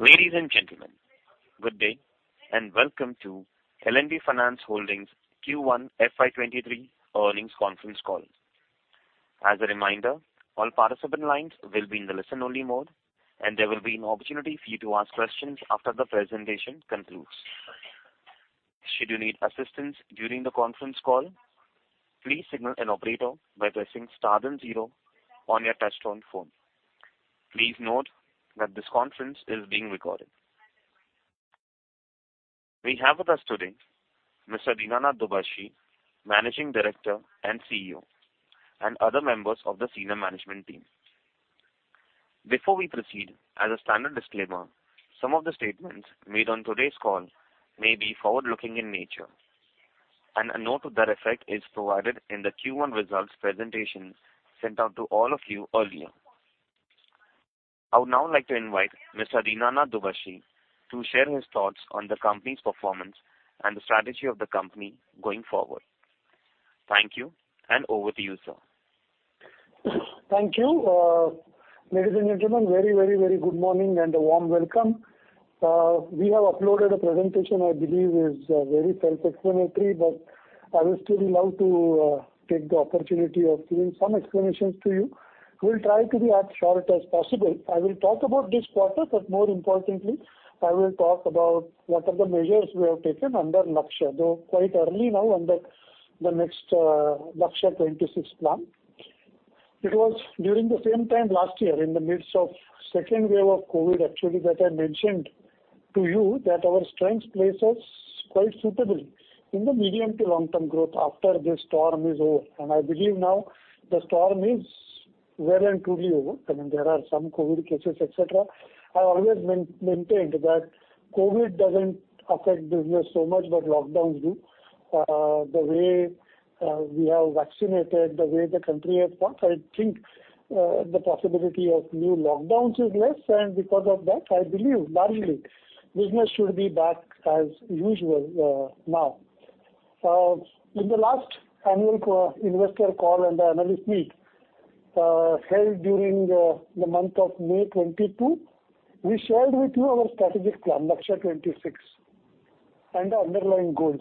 Ladies and gentlemen, good day, and welcome to L&T Finance Holdings Q1 FY 2023 earnings conference call. As a reminder, all participant lines will be in the listen-only mode, and there will be an opportunity for you to ask questions after the presentation concludes. Should you need assistance during the conference call, please signal an operator by pressing star then zero on your touchtone phone. Please note that this conference is being recorded. We have with us today Mr. Dinanath Dubhashi, Managing Director and CEO, and other members of the senior management team. Before we proceed, as a standard disclaimer, some of the statements made on today's call may be forward-looking in nature, and a note to that effect is provided in the Q1 results presentation sent out to all of you earlier. I would now like to invite Mr. Dinanath Dubhashi to share his thoughts on the company's performance and the strategy of the company going forward. Thank you, and over to you, sir. Thank you. Ladies and gentlemen, very good morning and a warm welcome. We have uploaded a presentation I believe is very self-explanatory, but I would still love to take the opportunity of giving some explanations to you. We'll try to be as short as possible. I will talk about this quarter, but more importantly, I will talk about what are the measures we have taken under Lakshya, though quite early now under the next Lakshya 2026 plan. It was during the same time last year in the midst of second wave of COVID actually that I mentioned to you that our strength places quite suitably in the medium to long-term growth after this storm is over. I believe now the storm is well and truly over. I mean, there are some COVID cases, et cetera. I always maintained that COVID doesn't affect business so much, but lockdowns do. The way we have vaccinated, the way the country has fought, I think, the possibility of new lockdowns is less, and because of that, I believe largely business should be back as usual, now. In the last annual investor call and the analyst meet, held during the month of May 2022, we shared with you our strategic plan, Lakshya 2026, and our underlying goals.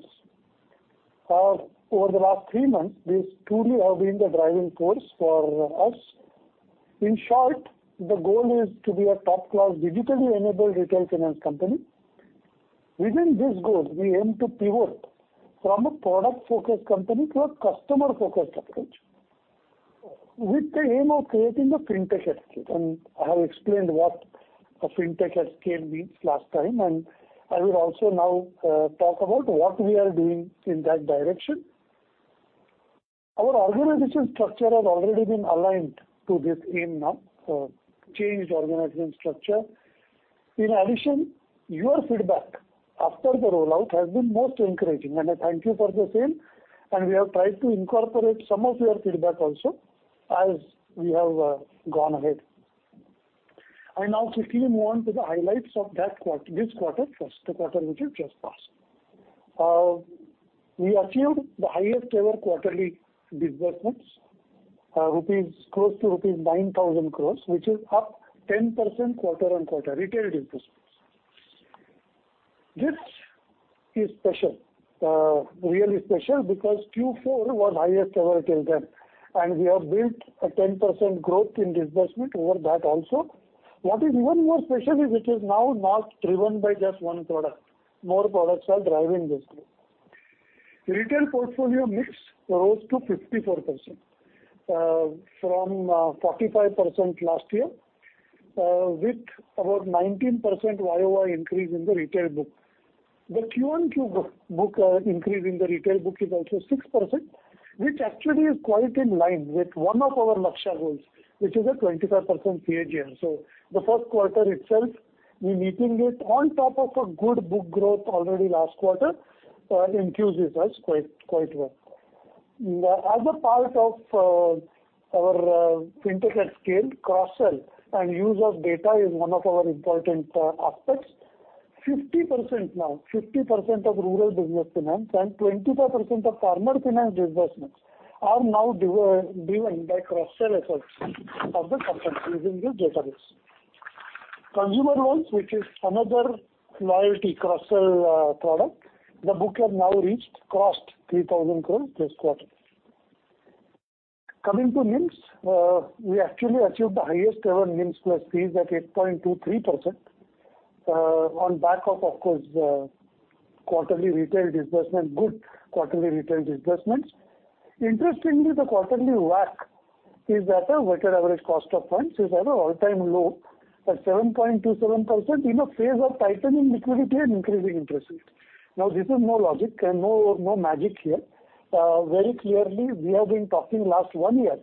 Over the last three months, these truly have been the driving force for us. In short, the goal is to be a top-class digitally enabled retail finance company. Within this goal, we aim to pivot from a product-focused company to a customer-focused approach with the aim of creating a fintech at scale. I have explained what a fintech at scale means last time, and I will also now talk about what we are doing in that direction. Our organizational structure has already been aligned to this aim now, changed organizational structure. In addition, your feedback after the rollout has been most encouraging, and I thank you for the same, and we have tried to incorporate some of your feedback also as we have gone ahead. I'll now quickly move on to the highlights of that quarter, this quarter first, the quarter which has just passed. We achieved the highest ever quarterly disbursements, close to rupees 9,000 crore, which is up 10% quarter-on-quarter, retail disbursements. This is special, really special because Q4 was highest ever till then, and we have built a 10% growth in disbursement over that also. What is even more special is it is now not driven by just one product. More products are driving this growth. Retail portfolio mix rose to 54%, from 45% last year, with about 19% YoY increase in the retail book. The QoQ book increase in the retail book is also 6%, which actually is quite in line with one of our Lakshya goals, which is a 25% CAGR. The first quarter itself, we're meeting it on top of a good book growth already last quarter, enthuses us quite well. As a part of our fintech at scale, cross-sell and use of data is one of our important aspects. 50% now, 50% of rural business finance and 25% of farmer finance disbursements are now driven by cross-sell efforts of the company using the database. Consumer loans, which is another loyalty cross-sell product, the book has now crossed 3,000 crore this quarter. Coming to NIMs, we actually achieved the highest ever NIMs plus fees at 8.23%, on back of quarterly retail disbursements. Interestingly, the quarterly WAC, weighted average cost of funds, is at an all-time low at 7.27% in a phase of tightening liquidity and increasing interest rates. Now, this is more logic and no magic here. Very clearly, we have been talking last one year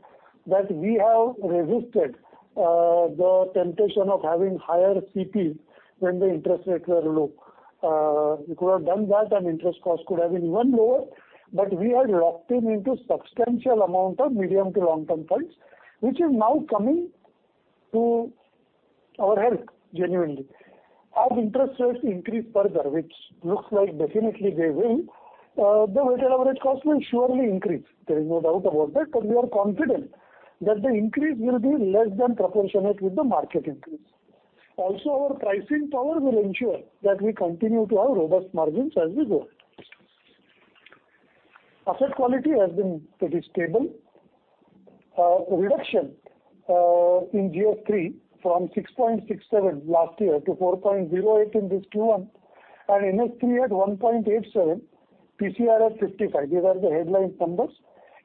that we have resisted the temptation of having higher CP when the interest rates were low. We could have done that and interest costs could have been even lower, but we had locked in into substantial amount of medium to long-term funds, which is now coming to our help genuinely. As interest rates increase further, which looks like definitely they will, the weighted average cost will surely increase. There is no doubt about that, but we are confident that the increase will be less than proportionate with the market increase. Also, our pricing power will ensure that we continue to have robust margins as we go. Asset quality has been pretty stable. Reduction in GS3 from 6.67% last year to 4.08% in this Q1 and NS3 at 1.87%, PCRF 55%. These are the headline numbers.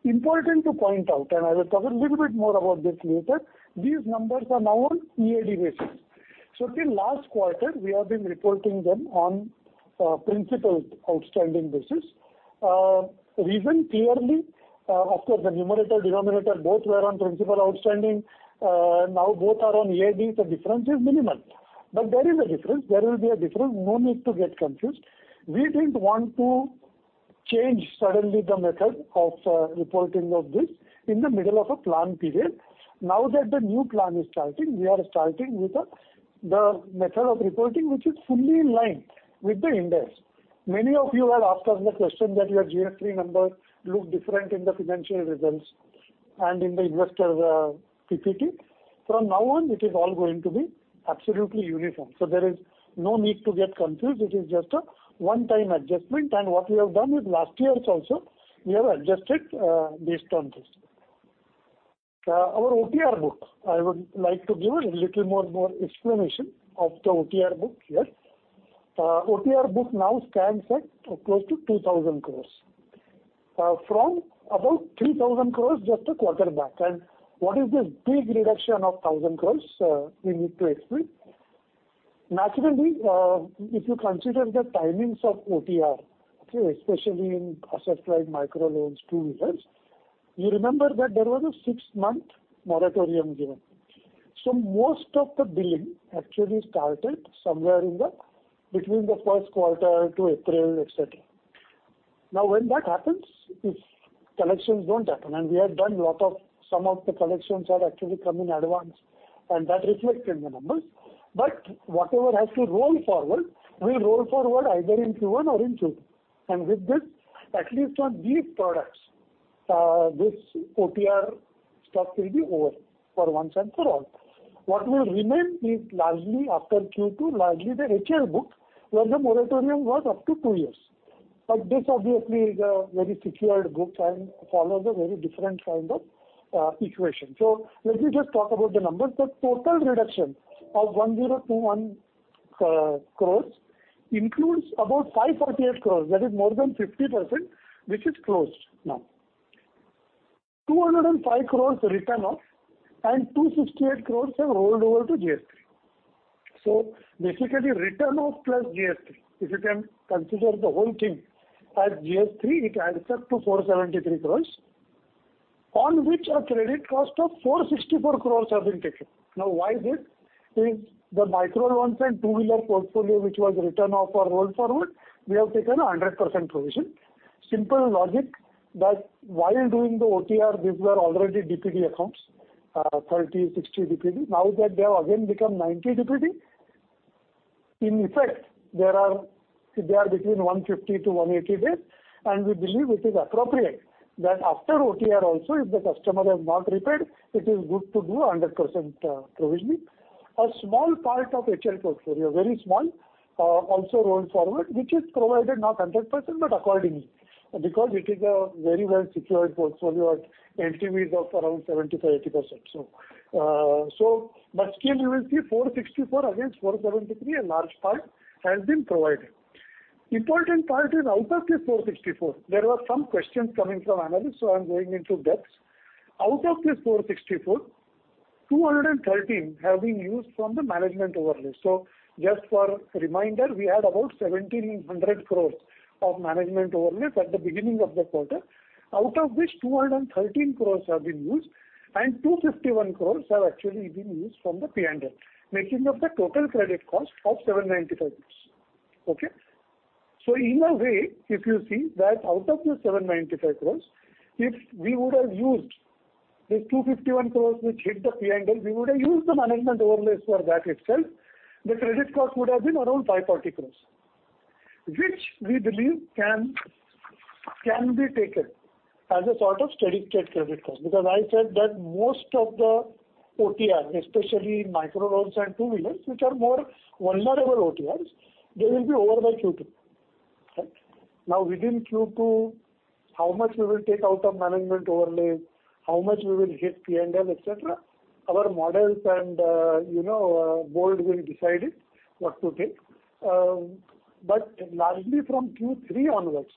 Important to point out, and I will cover a little bit more about this later, these numbers are now on EAD basis. So till last quarter, we have been reporting them on principal outstanding basis. Reason clearly, after the numerator denominator both were on principal outstanding, now both are on EAD, the difference is minimal. But there is a difference. There will be a difference. No need to get confused. We didn't want to change suddenly the method of reporting of this in the middle of a plan period. Now that the new plan is starting, we are starting with the method of reporting, which is fully in line with the index. Many of you have asked us the question that your GS3 number look different in the financial results and in the investor PPT. From now on, it is all going to be absolutely uniform, so there is no need to get confused. It is just a one-time adjustment. What we have done with last year's also, we have adjusted based on this. Our OTR book, I would like to give a little more explanation of the OTR book here. OTR book now stands at close to 2,000 crore from about 3,000 crore just a quarter back. What is this big reduction of 1,000 crore, we need to explain. Naturally, if you consider the timings of OTR, especially in asset-light micro loans, two-wheelers, you remember that there was a six-month moratorium given. Most of the billing actually started somewhere in between the first quarter to April, et cetera. Now, when that happens, if collections don't happen, and we have done. Some of the collections have actually come in advance, and that reflects in the numbers. Whatever has to roll forward will roll forward either in Q1 or in Q2. With this, at least on these products, this OTR stuff will be over for once and for all. What will remain is largely after Q2, largely the HL book, where the moratorium was up to two years. This obviously is a very secured book and follows a very different kind of equation. Let me just talk about the numbers. The total reduction of 1021 crore includes about 548 crore, that is more than 50%, which is closed now. 205 crore written off and 268 crore have rolled over to GS3. Basically, written off plus GS3. If you can consider the whole thing as GS3, it adds up to 473 crore, on which a credit cost of 464 crore have been taken. Now, why is it? In the micro loans and two-wheeler portfolio which was written off or rolled forward, we have taken a 100% provision. Simple logic that while doing the OTR, these were already DPD accounts, 30, 60 DPD. Now that they have again become 90 DPD, in effect, they are between 150-180 days, and we believe it is appropriate that after OTR also, if the customer has not repaid, it is good to do 100% provisioning. A small part of HL portfolio, very small, also rolled forward, which is provided not 100% but accordingly, because it is a very well-secured portfolio at LTVs of around 70%-80%. But still you will see 464 against 473, a large part has been provided. Important part is out of this 464, there were some questions coming from analysts, so I'm going into details. Out of this 464, 213 have been used from the management overlay. Just for reminder, we had about 1,700 crore of management overlay at the beginning of the quarter, out of which 213 crore have been used, and 251 crore have actually been used from the P&L, making up the total credit cost of 795 crore. Okay? In a way, if you see that out of the 795 crore, if we would have used this 251 crore which hit the P&L, we would have used the management overlays for that itself. The credit cost would have been around 540 crore, which we believe can be taken as a sort of steady-state credit cost. Because I said that most of the OTR, especially micro loans and two-wheelers, which are more vulnerable OTRs, they will be over by Q2. Right? Now, within Q2, how much we will take out of management overlay, how much we will hit P&L, et cetera, our models and board will decide it, what to take. Largely from Q3 onwards,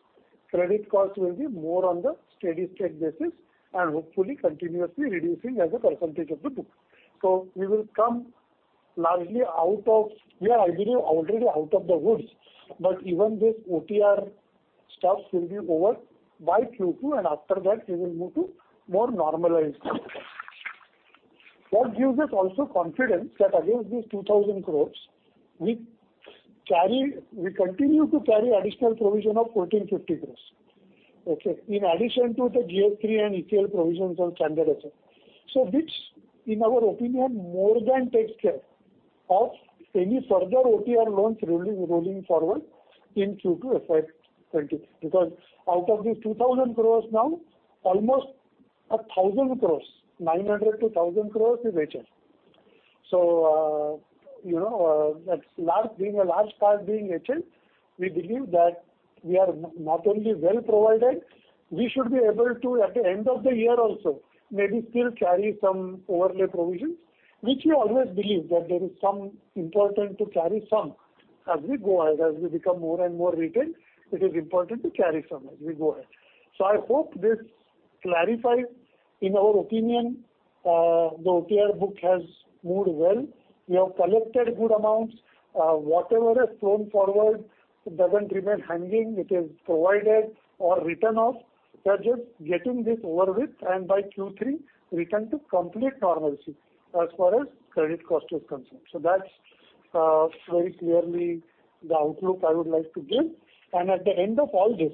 credit cost will be more on the steady-state basis and hopefully continuously reducing as a percentage of the book. We will come largely out of the woods. We are, I believe, already out of the woods, but even this OTR stuff will be over by Q2, and after that, we will move to more normalized credit cost. That gives us also confidence that against these 2,000 crore, we carry, we continue to carry additional provision of 1,450 crore, okay, in addition to the GS3 and HL/LAP provisions of standard asset. This, in our opinion, more than takes care of any further OTR loans rolling forward in Q2 FY23. Because out of these 2,000 crore now, almost 1,000 crore, 900 crore-1,000 crore is HL. You know, that's a large part being HL, we believe that we are not only well provided, we should be able to, at the end of the year also, maybe still carry some overlay provisions, which we always believe that it's important to carry some as we go. As we become more and more retail, it is important to carry some as we go ahead. I hope this clarifies. In our opinion, the OTR book has moved well. We have collected good amounts. Whatever is thrown forward doesn't remain hanging, it is provided or written off. We're just getting this over with, and by Q3 return to complete normalcy as far as credit cost is concerned. That's very clearly the outlook I would like to give. At the end of all this,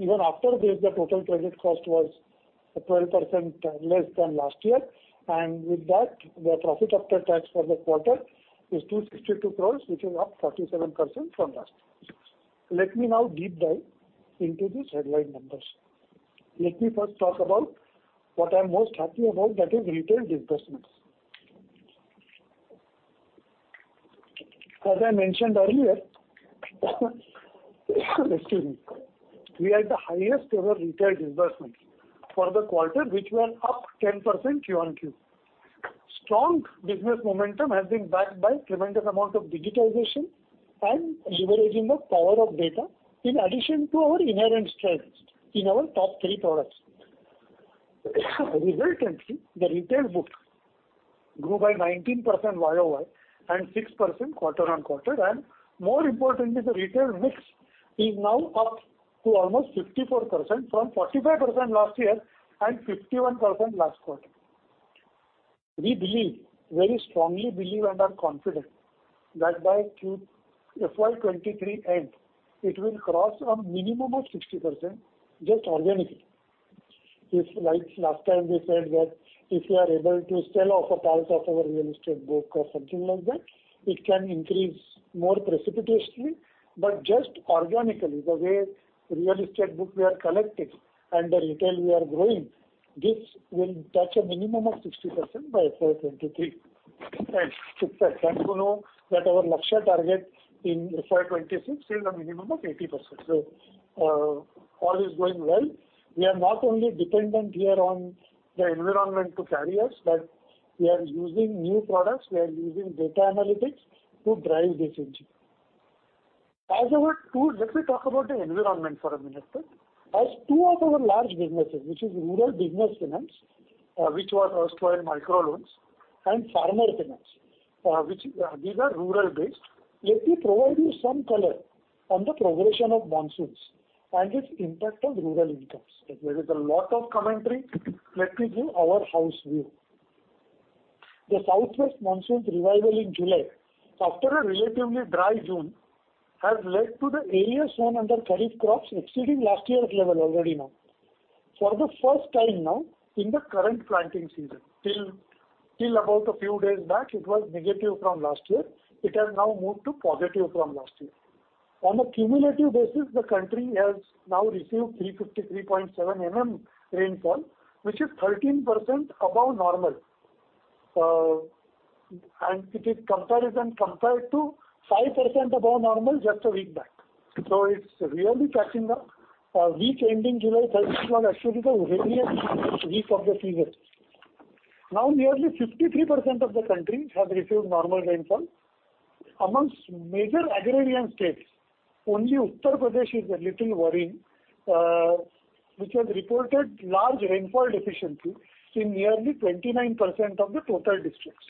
even after this, the total credit cost was 12% less than last year. With that, the profit after tax for the quarter is 262 crore, which is up 47% from last. Let me now deep dive into these headline numbers. Let me first talk about what I'm most happy about, that is retail disbursements. As I mentioned earlier, excuse me. We had the highest ever retail disbursement for the quarter, which were up 10% QoQ. Strong business momentum has been backed by tremendous amount of digitization and leveraging the power of data in addition to our inherent strength in our top three products. Resultantly, the retail book grew by 19% year-over-year and 6% quarter-over-quarter. More importantly, the retail mix is now up to almost 54% from 45% last year and 51% last quarter. We believe, very strongly believe and are confident that by FY 2023 end, it will cross a minimum of 60% just organically. If like last time we said that if we are able to sell off a part of our real estate book or something like that, it can increase more precipitously. But just organically, the way real estate book we are collecting and the retail we are growing, this will touch a minimum of 60% by FY 2023. Since as you know that our Lakshya target in FY 2026 is a minimum of 80%. All is going well. We are not only dependent here on the environment to carry us, but we are using new products, we are using data analytics to drive this engine. As our tools, let me talk about the environment for a minute. As two of our large businesses, which is Rural Business Finance, which was erstwhile micro loans, and Farmer Finance, these are rural based. Let me provide you some color on the progression of monsoons and its impact on rural incomes. There is a lot of commentary. Let me give our house view. The southwest monsoons revival in July, after a relatively dry June, has led to the area sown under kharif crops exceeding last year's level already now. For the first time now in the current planting season, till about a few days back, it was negative from last year. It has now moved to positive from last year. On a cumulative basis, the country has now received 353.7 mm rainfall, which is 13% above normal. It is compared to 5% above normal just a week back. It's really catching up. Week ending July 31 was actually the rainiest week of the season. Nearly 53% of the country has received normal rainfall. Among major agrarian states, only Uttar Pradesh is a little worrying, which has reported large rainfall deficiency in nearly 29% of the total districts.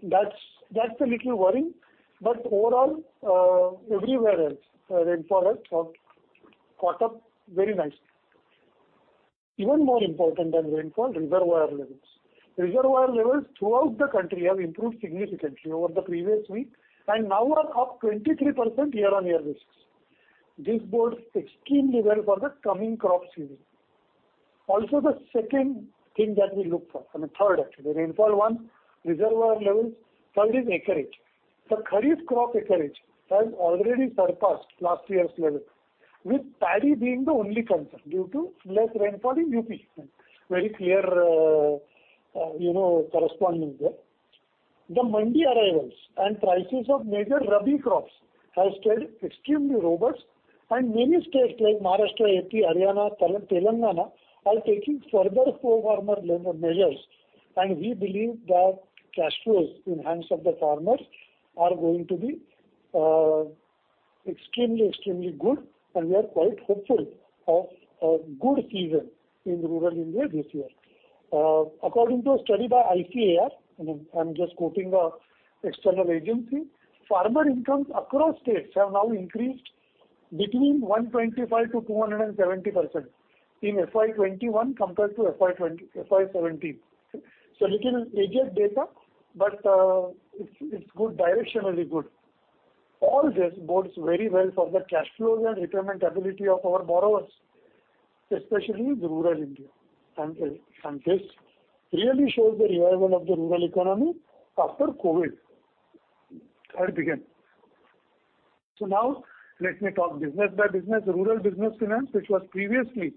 That's a little worrying, but overall, everywhere else, rainfall has caught up very nicely. Even more important than rainfall, reservoir levels. Reservoir levels throughout the country have improved significantly over the previous week and now are up 23% year-over-year. This bodes extremely well for the coming crop season. Also, the second thing that we look for, I mean, third actually. Rainfall, one, reservoir levels, third is acreage. The kharif crop acreage has already surpassed last year's level, with paddy being the only concern due to less rainfall in UP. Very clear, you know, corresponding there. The mandi arrivals and prices of major rabi crops has stayed extremely robust. Many states like Maharashtra, AP, Haryana, Telangana are taking further pro-farmer measures. We believe that cash flows in hands of the farmers are going to be extremely good. We are quite hopeful of a good season in rural India this year. According to a study by ICAR, and I'm just quoting an external agency, farmer incomes across states have now increased between 125% and 270% in FY 2021 compared to FY 2017. Slightly aged data, but it's good, directionally good. All this bodes very well for the cash flows and repayment ability of our borrowers. Especially in rural India. This really shows the revival of the rural economy after COVID had begun. Now let me talk business by business. Rural Business Finance, which was previously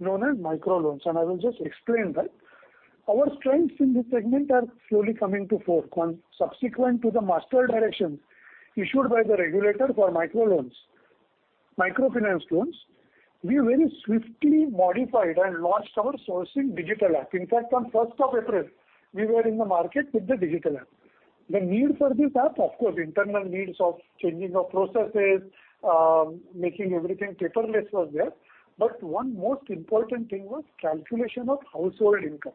known as micro loans, and I will just explain that. Our strengths in this segment are slowly coming to the fore. Subsequent to the master direction issued by the regulator for micro loans, microfinance loans, we very swiftly modified and launched our sourcing digital app. In fact, on 1st of April, we were in the market with the digital app. The need for this app, of course, internal needs of changing of processes, making everything paperless was there, but one most important thing was calculation of household income.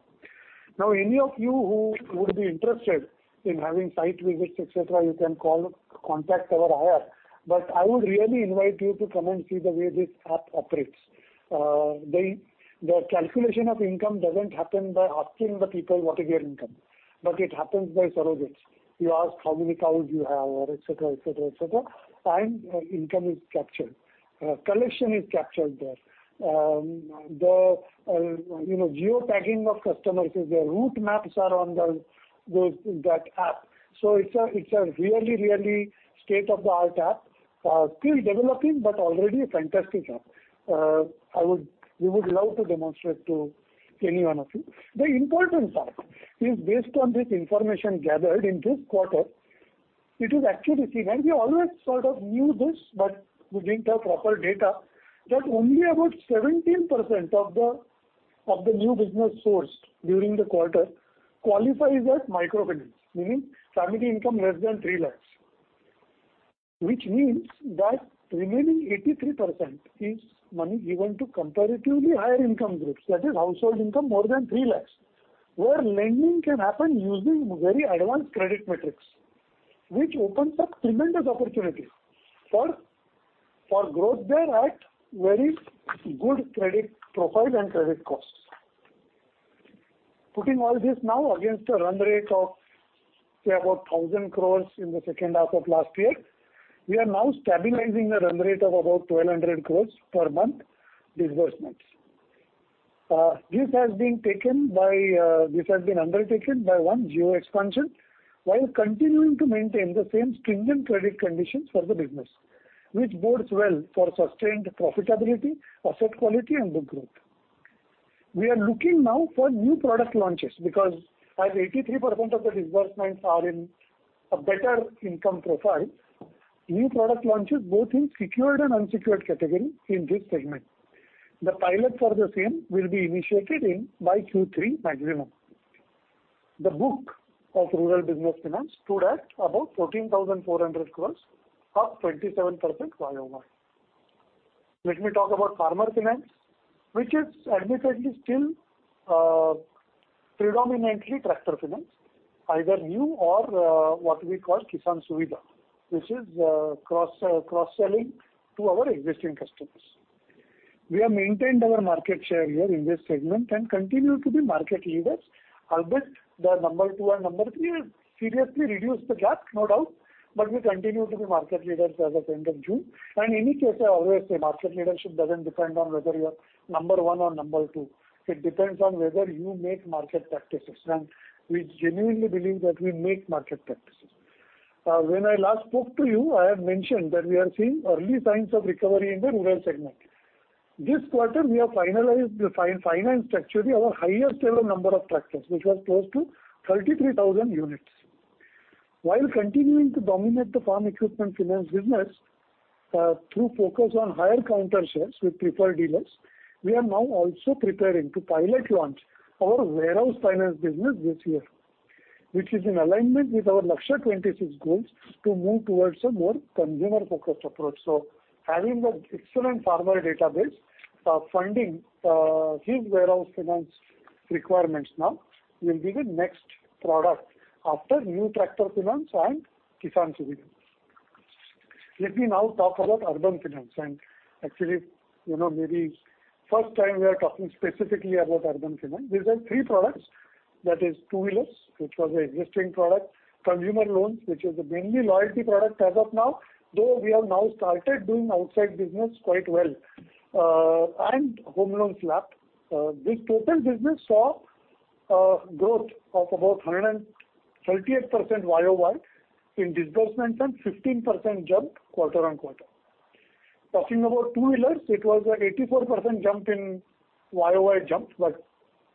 Now, any of you who would be interested in having site visits, et cetera, you can call, contact our IR. But I would really invite you to come and see the way this app operates. The calculation of income doesn't happen by asking the people what is their income, but it happens by surrogates. You ask how many cows you have or et cetera, and income is captured. Collection is captured there. You know, geo-tagging of customers, their route maps are on that app. So it's a really state-of-the-art app. Still developing but already a fantastic app. We would love to demonstrate to any one of you. The important part is based on this information gathered in this quarter, it is actually seen, and we always sort of knew this, but we didn't have proper data, that only about 17% of the new business sourced during the quarter qualifies as microfinance, meaning family income less than 3 lakh. Which means that remaining 83% is money given to comparatively higher income groups, that is household income more than 3 lakh, where lending can happen using very advanced credit metrics, which opens up tremendous opportunity for growth there at very good credit profile and credit costs. Putting all this now against a run rate of, say, about 1,000 crore in the second half of last year, we are now stabilizing a run rate of about 1,200 crore per month disbursements. This has been undertaken by one geo expansion while continuing to maintain the same stringent credit conditions for the business, which bodes well for sustained profitability, asset quality and good growth. We are looking now for new product launches because as 83% of the disbursements are in a better income profile, new product launches both in secured and unsecured category in this segment. The pilot for the same will be initiated by Q3 maximum. The book of Rural Business Finance stood at about 14,400 crore, up 27% YoY. Let me talk about farmer finance, which is admittedly still predominantly tractor finance, either new or what we call Kisan Suvidha, which is cross-selling to our existing customers. We have maintained our market share here in this segment and continue to be market leaders, albeit the number two and number three have seriously reduced the gap, no doubt, but we continue to be market leaders as of end of June. In any case, I always say market leadership doesn't depend on whether you are number one or number two. It depends on whether you make market practices, and we genuinely believe that we make market practices. When I last spoke to you, I have mentioned that we are seeing early signs of recovery in the rural segment. This quarter we have finalized the finance structurally our highest ever number of tractors, which was close to 33,000 units. While continuing to dominate the farm equipment finance business, through focus on higher counter shares with preferred dealers, we are now also preparing to pilot launch our warehouse finance business this year, which is in alignment with our Lakshya 2026 goals to move towards a more consumer-focused approach. Having the excellent farmer database, funding this warehouse finance requirements now will be the next product after new tractor finance and Kisan Suvidha. Let me now talk about urban finance. Actually, you know, maybe first time we are talking specifically about urban finance. These are three products, that is two-wheelers, which was an existing product, consumer loans, which is a mainly loyalty product as of now, though we have now started doing outside business quite well, and home loans LAP. This total business saw growth of about 138% year-over-year in disbursements and 15% jump quarter-over-quarter. Talking about two-wheelers, it was an 84% year-over-year jump, but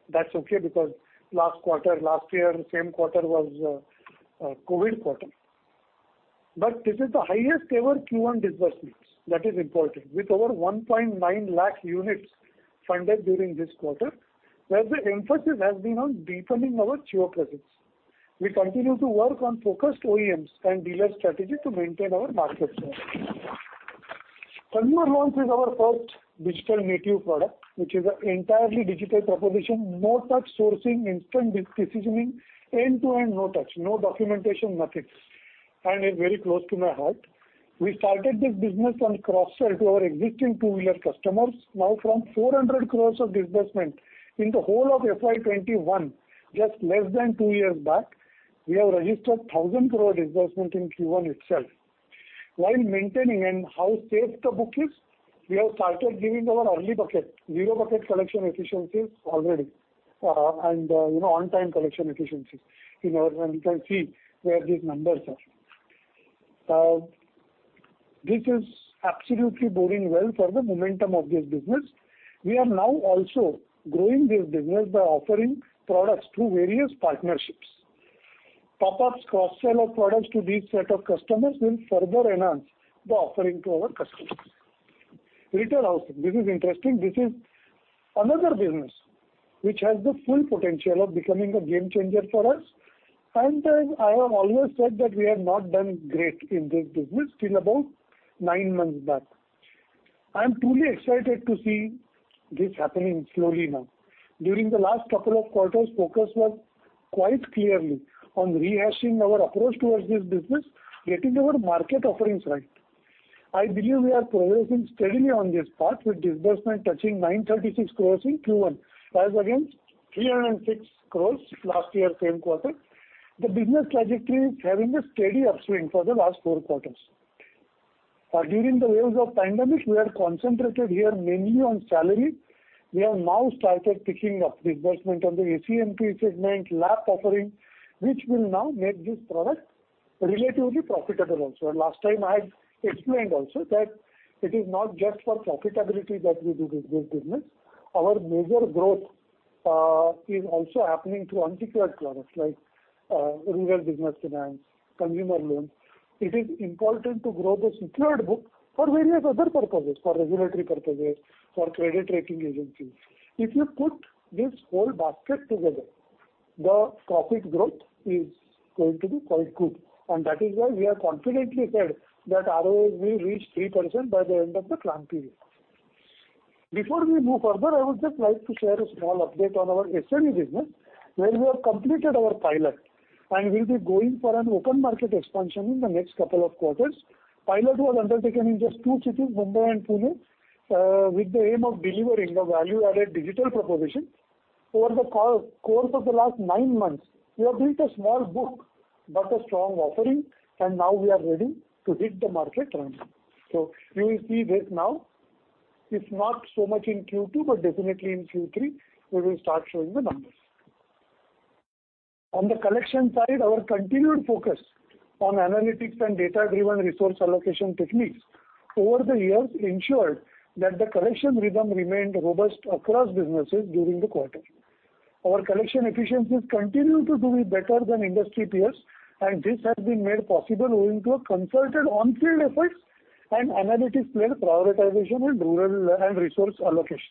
that's okay because last year same quarter was a COVID quarter. This is the highest ever Q1 disbursements, that is important, with over 1.9 lakh units funded during this quarter, where the emphasis has been on deepening our geo presence. We continue to work on focused OEMs and dealer strategy to maintain our market share. Consumer loans is our first digital native product, which is an entirely digital proposition, no-touch sourcing, instant decisioning, end-to-end no-touch, no documentation methods, and is very close to my heart. We started this business on cross-sell to our existing two-wheeler customers. Now, from 400 crore of disbursement in the whole of FY 2021, just less than two years back, we have registered 1,000 crore disbursement in Q1 itself. While maintaining and how safe the book is, we have started giving our early bucket, zero bucket collection efficiencies already, and you know, on-time collection efficiencies. You can see where these numbers are. This is absolutely boding well for the momentum of this business. We are now also growing this business by offering products through various partnerships. Pop-ups cross-sell of products to these set of customers will further enhance the offering to our customers. Retail housing. This is interesting. This is another business which has the full potential of becoming a game changer for us. As I have always said that we have not done great in this business till about nine months back. I am truly excited to see this happening slowly now. During the last couple of quarters, focus was quite clearly on rehashing our approach towards this business, getting our market offerings right. I believe we are progressing steadily on this path, with disbursement touching 936 crore in Q1, as against 306 crore last year, same quarter. The business trajectory is having a steady upswing for the last four quarters. During the waves of pandemic, we have concentrated here mainly on salary. We have now started picking up disbursement on the ACMP segment, LAP offering, which will now make this product relatively profitable also. Last time I had explained also that it is not just for profitability that we do this business. Our major growth is also happening through unsecured products like Rural Business Finance, Consumer Loans. It is important to grow the secured book for various other purposes, for regulatory purposes, for credit rating agencies. If you put this whole basket together, the profit growth is going to be quite good, and that is why we have confidently said that ROA will reach 3% by the end of the plan period. Before we move further, I would just like to share a small update on our SME business where we have completed our pilot and will be going for an open market expansion in the next couple of quarters. Pilot was undertaken in just two cities, Mumbai and Pune, with the aim of delivering a value-added digital proposition. Over the course of the last nine months, we have built a small book but a strong offering and now we are ready to hit the market running. You will see this now. If not so much in Q2, but definitely in Q3 we will start showing the numbers. On the collection side, our continued focus on analytics and data-driven resource allocation techniques over the years ensured that the collection rhythm remained robust across businesses during the quarter. Our collection efficiencies continue to do better than industry peers, and this has been made possible owing to a concerted on-field efforts and analytics-led prioritization in rural and resource allocation.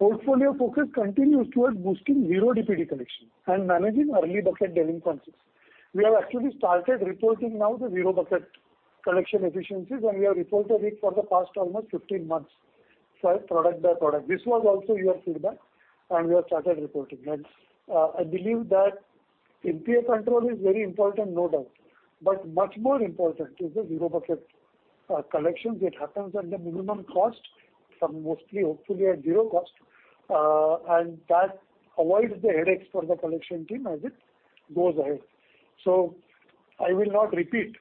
Portfolio focus continues towards boosting zero DPD collection and managing early bucket delinquencies. We have actually started reporting now the zero bucket collection efficiencies, and we have reported it for the past almost 15 months by product by product. This was also your feedback and we have started reporting that. I believe that NPA control is very important, no doubt, but much more important is the zero bucket collections. It happens at the minimum cost from mostly hopefully at zero cost, and that avoids the headaches for the collection team as it goes ahead. I will not repeat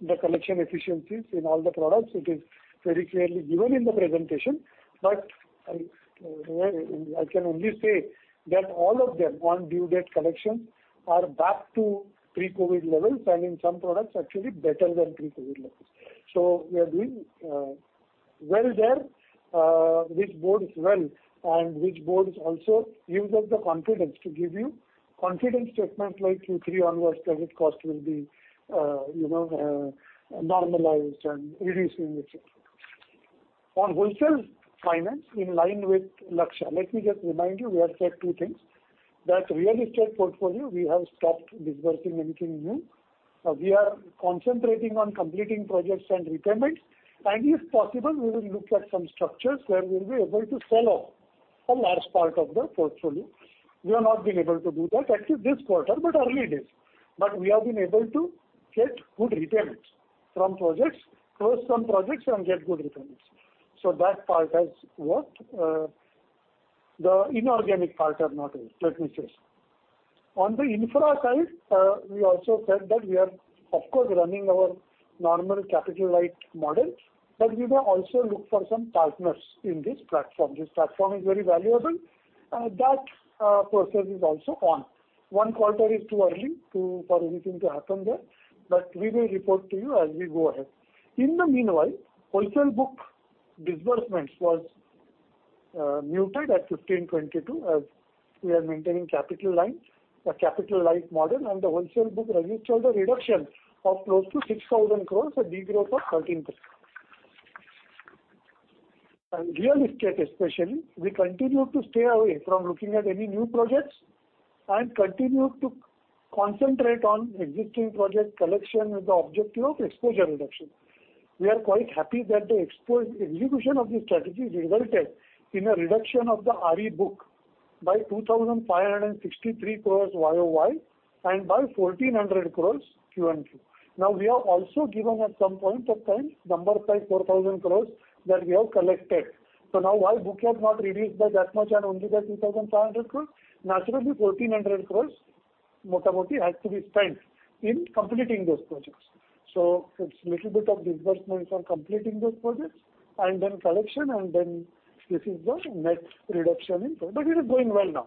the collection efficiencies in all the products. It is very clearly given in the presentation, but I can only say that all of them on due date collection are back to pre-COVID levels, and in some products actually better than pre-COVID levels. We are doing well there. This bodes well and also gives us the confidence to give you confidence statements like Q3 onwards credit cost will be, you know, normalized and reducing, et cetera. On wholesale finance in line with Lakshya, let me just remind you, we have said two things, that real estate portfolio, we have stopped disbursing anything new. We are concentrating on completing projects and repayments. If possible, we will look at some structures where we will be able to sell off a large part of the portfolio. We have not been able to do that actually this quarter, but earlier days. We have been able to get good repayments from projects, close some projects and get good repayments. That part has worked. The inorganic part has not worked, let me say so. On the infra side, we also said that we are of course running our normal capital light model, but we will also look for some partners in this platform. This platform is very valuable. That process is also on. One quarter is too early for anything to happen there, but we will report to you as we go ahead. In the meanwhile, wholesale book disbursements was muted at 1,522 crore as we are maintaining capital lines, a capital light model and the wholesale book registered a reduction of close to 6,000 crore, a de-growth of 13%. On real estate especially, we continue to stay away from looking at any new projects and continue to concentrate on existing project collection with the objective of exposure reduction. We are quite happy that the execution of this strategy resulted in a reduction of the RE book by 2,563 crore YoY and by 1,400 crore QoQ. Now, we have also given at some point of time numbers like 4,000 crore that we have collected. Now why book has not reduced by that much and only by 2,400 crore? Naturally, 1,400 crore but it is going well now.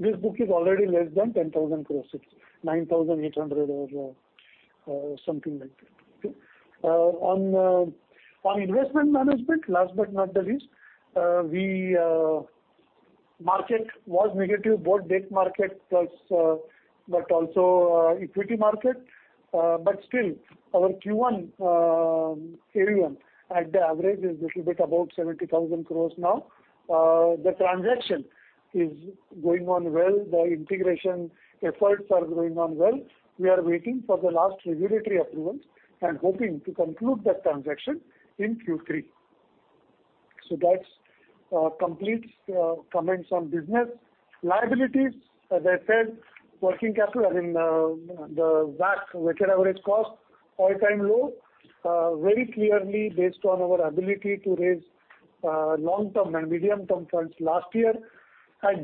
This book is already less than 10,000 crore. It's 9,800 crore or something like that. Okay? On investment management, last but not the least, the market was negative, both debt market plus but also equity market. Still our Q1 AUM at the average is little bit above 70,000 crore now. The transaction is going on well. The integration efforts are going on well. We are waiting for the last regulatory approvals and hoping to conclude that transaction in Q3. That completes comments on business. Liabilities, as I said, working capital, I mean, the WAC, weighted average cost, all-time low, very clearly based on our ability to raise long-term and medium-term funds last year. A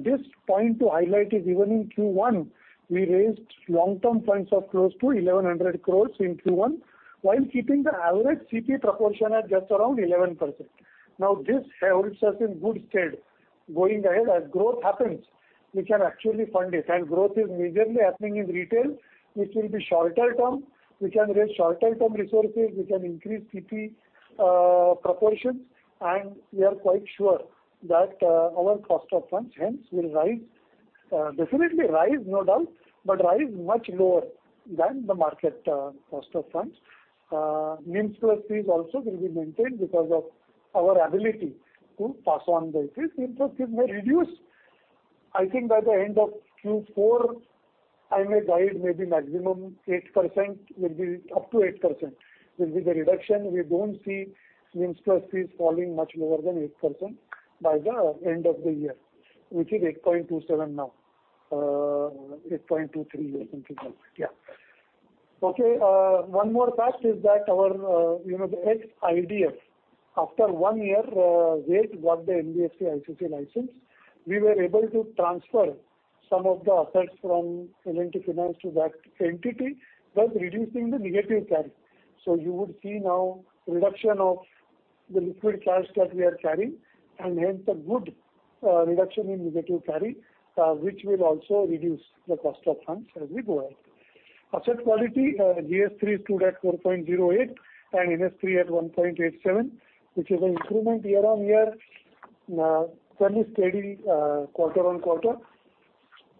point to highlight is even in Q1, we raised long-term funds of close to 1,100 crore in Q1, while keeping the average CP proportion at just around 11%. Now this holds us in good stead going ahead. As growth happens, we can actually fund it, and growth is majorly happening in retail, which will be shorter term. We can raise shorter term resources, we can increase CP proportions, and we are quite sure that our cost of funds hence will rise. Definitely rise, no doubt, but rise much lower than the market cost of funds. NIMs plus fees also will be maintained because of our ability to pass on the interest. Interest may reduce, I think by the end of Q4. I may guide maybe maximum 8% will be up to 8% will be the reduction. We don't see NIMs plus fees falling much lower than 8% by the end of the year, which is 8.27 now. 8.23 something like that. Yeah. Okay, one more fact is that our, you know, the ex-IDF, after one year, they got the NBFC-ICC license. We were able to transfer some of the assets from L&T Finance to that entity, thus reducing the negative carry. You would see now reduction of the liquid cash that we are carrying and hence a good reduction in negative carry, which will also reduce the cost of funds as we go ahead. Asset quality, GS3 stood at 4.08% and NS3 at 1.87%, which is an improvement year-over-year, fairly steady quarter-over-quarter.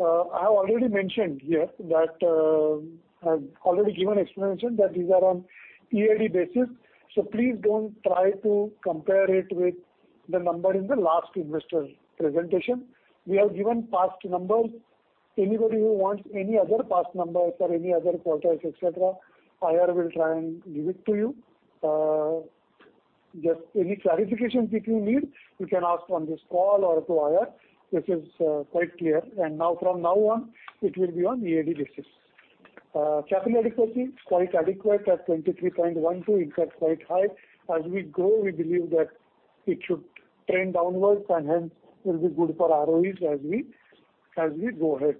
I have already mentioned here that, I've already given explanation that these are on EAD basis, so please don't try to compare it with the number in the last investor presentation. We have given past numbers. Anybody who wants any other past numbers or any other quarters, et cetera, IR will try and give it to you. Just any clarifications if you need, you can ask on this call or to IR. This is quite clear. Now, from now on, it will be on EAD basis. Capital adequacy, quite adequate at 23.12%, in fact, quite high. As we grow, we believe that it should trend downwards and hence will be good for ROEs as we go ahead.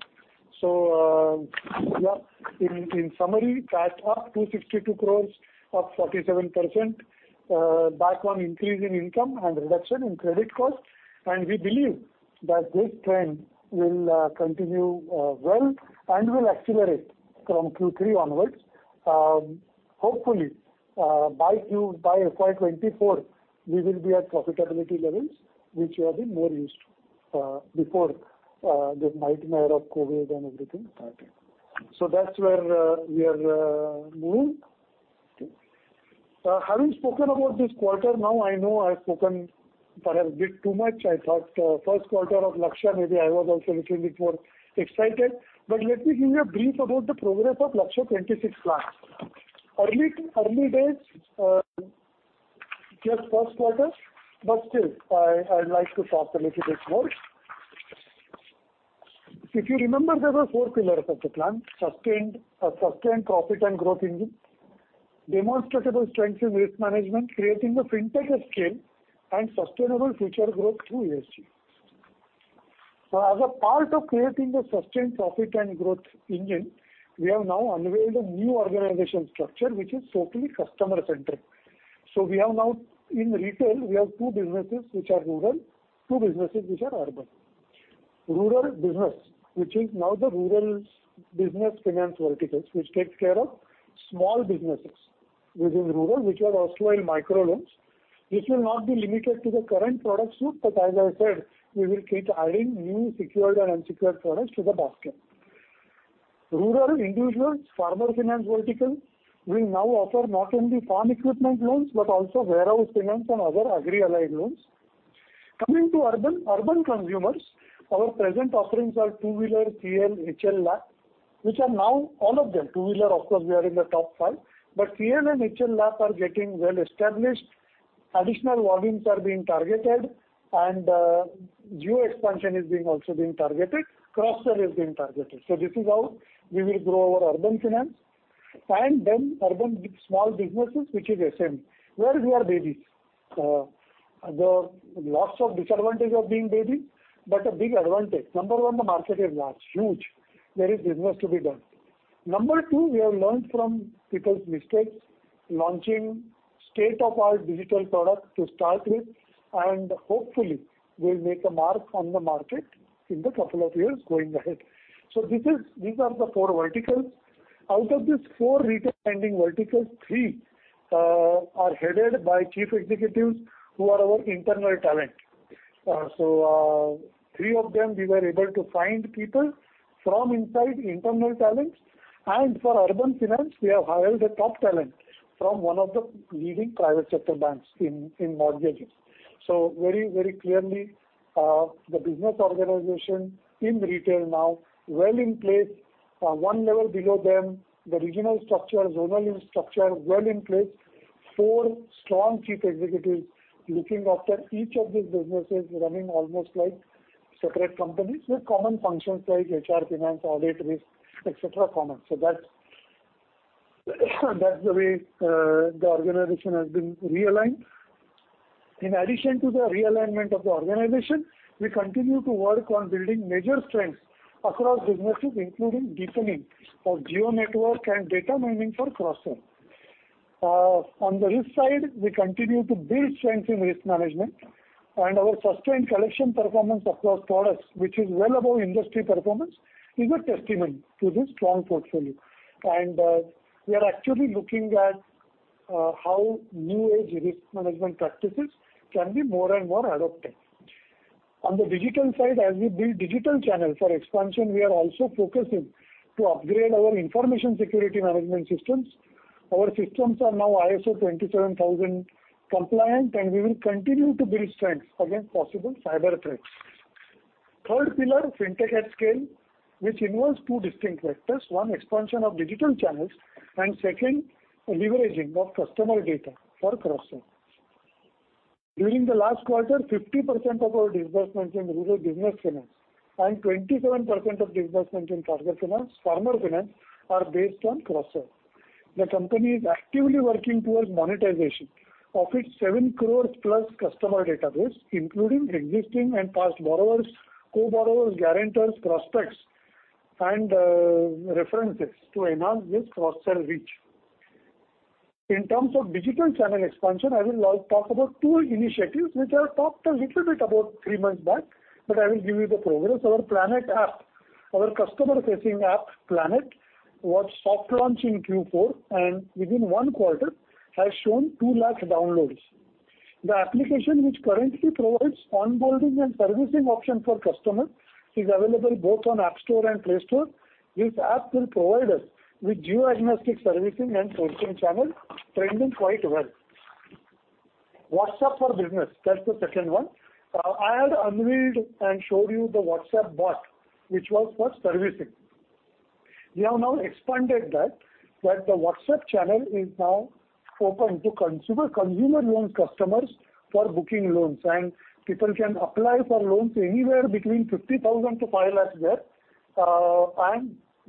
In summary, PAT up 262 crore, up 47%, on the back of increase in income and reduction in credit cost. We believe that this trend will continue and will accelerate from Q3 onwards. Hopefully, by FY 2024, we will be at profitability levels which you have been more used to, before the nightmare of COVID and everything started. That's where we are moving. Okay. Having spoken about this quarter now, I know I've spoken perhaps a bit too much. I thought first quarter of Lakshya, maybe I was also little bit more excited. Let me give you a brief about the progress of Lakshya 2026 plan. Early days, just first quarter, but still, I'd like to talk a little bit more. If you remember, there were four pillars of the plan: sustained, a sustained profit and growth engine, demonstrable strength in risk management, creating a fintech of scale, and sustainable future growth through ESG. As a part of creating the sustained profit and growth engine, we have now unveiled a new organizational structure, which is totally customer-centric. We have now in retail two businesses which are rural, two businesses which are urban. Rural business, which is now the Rural Business Finance verticals, which takes care of small businesses within rural, which are also in micro loans. This will not be limited to the current product suite, but as I said, we will keep adding new secured and unsecured products to the basket. Rural individuals, farmer finance vertical will now offer not only farm equipment loans but also warehouse finance and other agri-aligned loans. Coming to urban consumers, our present offerings are two-wheeler, CL, HL/LAP, which are now all of them. Two-wheeler, of course, we are in the top five, but CL and HL/LAP are getting well established. Additional volumes are being targeted and geo expansion is also being targeted. Crossover is being targeted. This is how we will grow our urban finance. Then urban small businesses, which is SM, where we are baby. There are lots of disadvantages of being baby, but a big advantage. Number one, the market is large, huge. There is business to be done. Number two, we have learned from people's mistakes, launching state-of-the-art digital product to start with, and hopefully we'll make a mark on the market in the couple of years going ahead. These are the four verticals. Out of these four retail-lending verticals, three are headed by chief executives who are our internal talent. Three of them, we were able to find people from inside internal talents. For urban finance, we have hired a top talent from one of the leading private sector banks in mortgages. Very, very clearly, the business organization in retail now well in place. One level below them, the regional structure, zonal structure, well in place. Four strong chief executives looking after each of these businesses running almost like separate companies with common functions like HR, finance, audit, risk, et cetera, common. That's the way the organization has been realigned. In addition to the realignment of the organization, we continue to work on building major strengths across businesses, including deepening of geo network and data mining for cross-sell. On the risk side, we continue to build strengths in risk management, and our sustained collection performance across products, which is well above industry performance, is a testament to the strong portfolio. We are actually looking at how new age risk management practices can be more and more adopted. On the digital side, as we build digital channel for expansion, we are also focusing to upgrade our information security management systems. Our systems are now ISO 27000 compliant, and we will continue to build strengths against possible cyber threats. Third pillar, Fintech at scale, which involves two distinct vectors. One, expansion of digital channels, and second, leveraging of customer data for cross-sell. During the last quarter, 50% of our disbursements in rural business finance and 27% of disbursements in tractor finance, farm finance are based on cross-sell. The company is actively working towards monetization of its 7 crore-plus customer database, including existing and past borrowers, co-borrowers, guarantors, prospects and references to enhance this cross-sell reach. In terms of digital channel expansion, I will talk about two initiatives, which I've talked a little bit about three months back, but I will give you the progress. Our Planet app, our customer-facing app, Planet, was soft launch in Q4, and within one quarter has shown 2 lakh downloads. The application, which currently provides onboarding and servicing option for customers, is available both on App Store and Play Store. This app will provide us with geo-agnostic servicing and sourcing channel trending quite well. WhatsApp Business, that's the second one. I had unveiled and showed you the WhatsApp bot, which was for servicing. We have now expanded that the WhatsApp channel is now open to consumer loan customers for booking loans, and people can apply for loans anywhere between 50,000-500,000 there.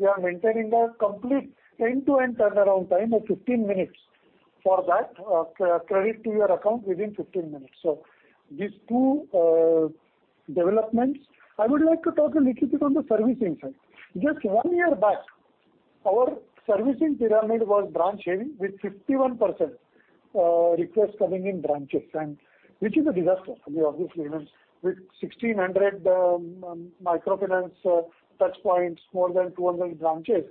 We are maintaining the complete end-to-end turnaround time of 15 minutes for that, credit to your account within 15 minutes. These two developments. I would like to talk a little bit on the servicing side. Just one year back, our servicing pyramid was branch heavy with 51% requests coming in branches, which is a disaster for me, obviously. With 1,600 microfinance touchpoints, more than 200 branches,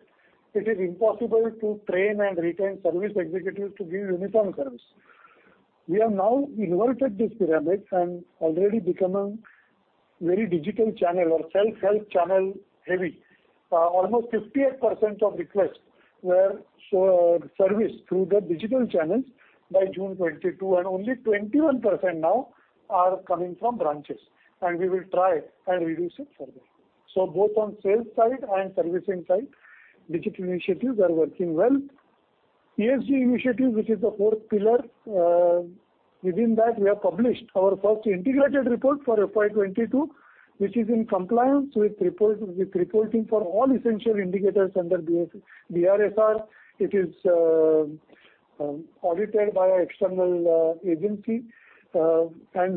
it is impossible to train and retain service executives to give uniform service. We have now inverted this pyramid and already become a very digital channel or self-help channel heavy. Almost 58% of requests were serviced through the digital channels by June 2022, and only 21% now are coming from branches, and we will try and reduce it further. Both on sales side and servicing side, digital initiatives are working well. ESG initiative, which is the fourth pillar. Within that, we have published our first integrated report for FY 2022, which is in compliance with reporting for all essential indicators under BRSR. It is audited by an external agency. We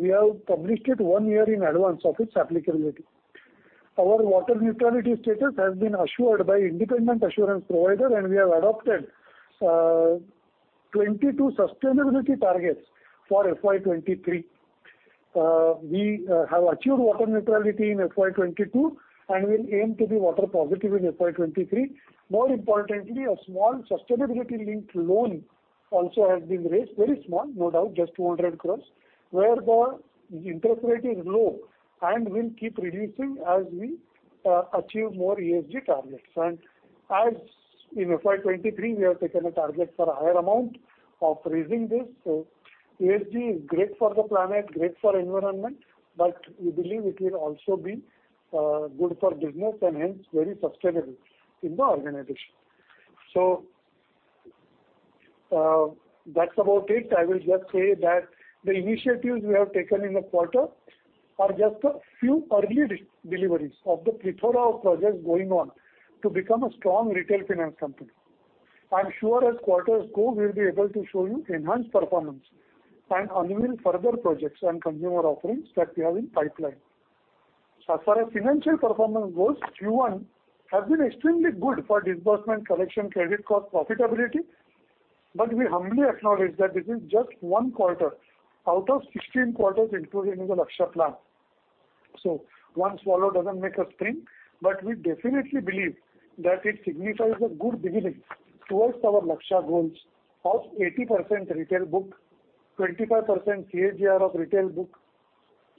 have published it one year in advance of its applicability. Our water neutrality status has been assured by independent assurance provider, and we have adopted 22 sustainability targets for FY 2023. We have achieved water neutrality in FY 2022, and we'll aim to be water positive in FY 2023. More importantly, a small sustainability-linked loan also has been raised, very small, no doubt, just 200 crore, where the interest rate is low and will keep reducing as we achieve more ESG targets. As in FY 2023, we have taken a target for higher amount of raising this. ESG is great for the planet, great for environment, but we believe it will also be good for business and hence very sustainable in the organization. That's about it. I will just say that the initiatives we have taken in the quarter are just a few early re-deliveries of the plethora of projects going on to become a strong retail finance company. I'm sure as quarters go, we'll be able to show you enhanced performance and unveil further projects and consumer offerings that we have in pipeline. As far as financial performance goes, Q1 has been extremely good for disbursement, collection, credit cost profitability, but we humbly acknowledge that this is just one quarter out of 16 quarters included in the Lakshya Plan. One swallow doesn't make a spring, but we definitely believe that it signifies a good beginning towards our Lakshya goals of 80% retail book, 25% CAGR of retail book,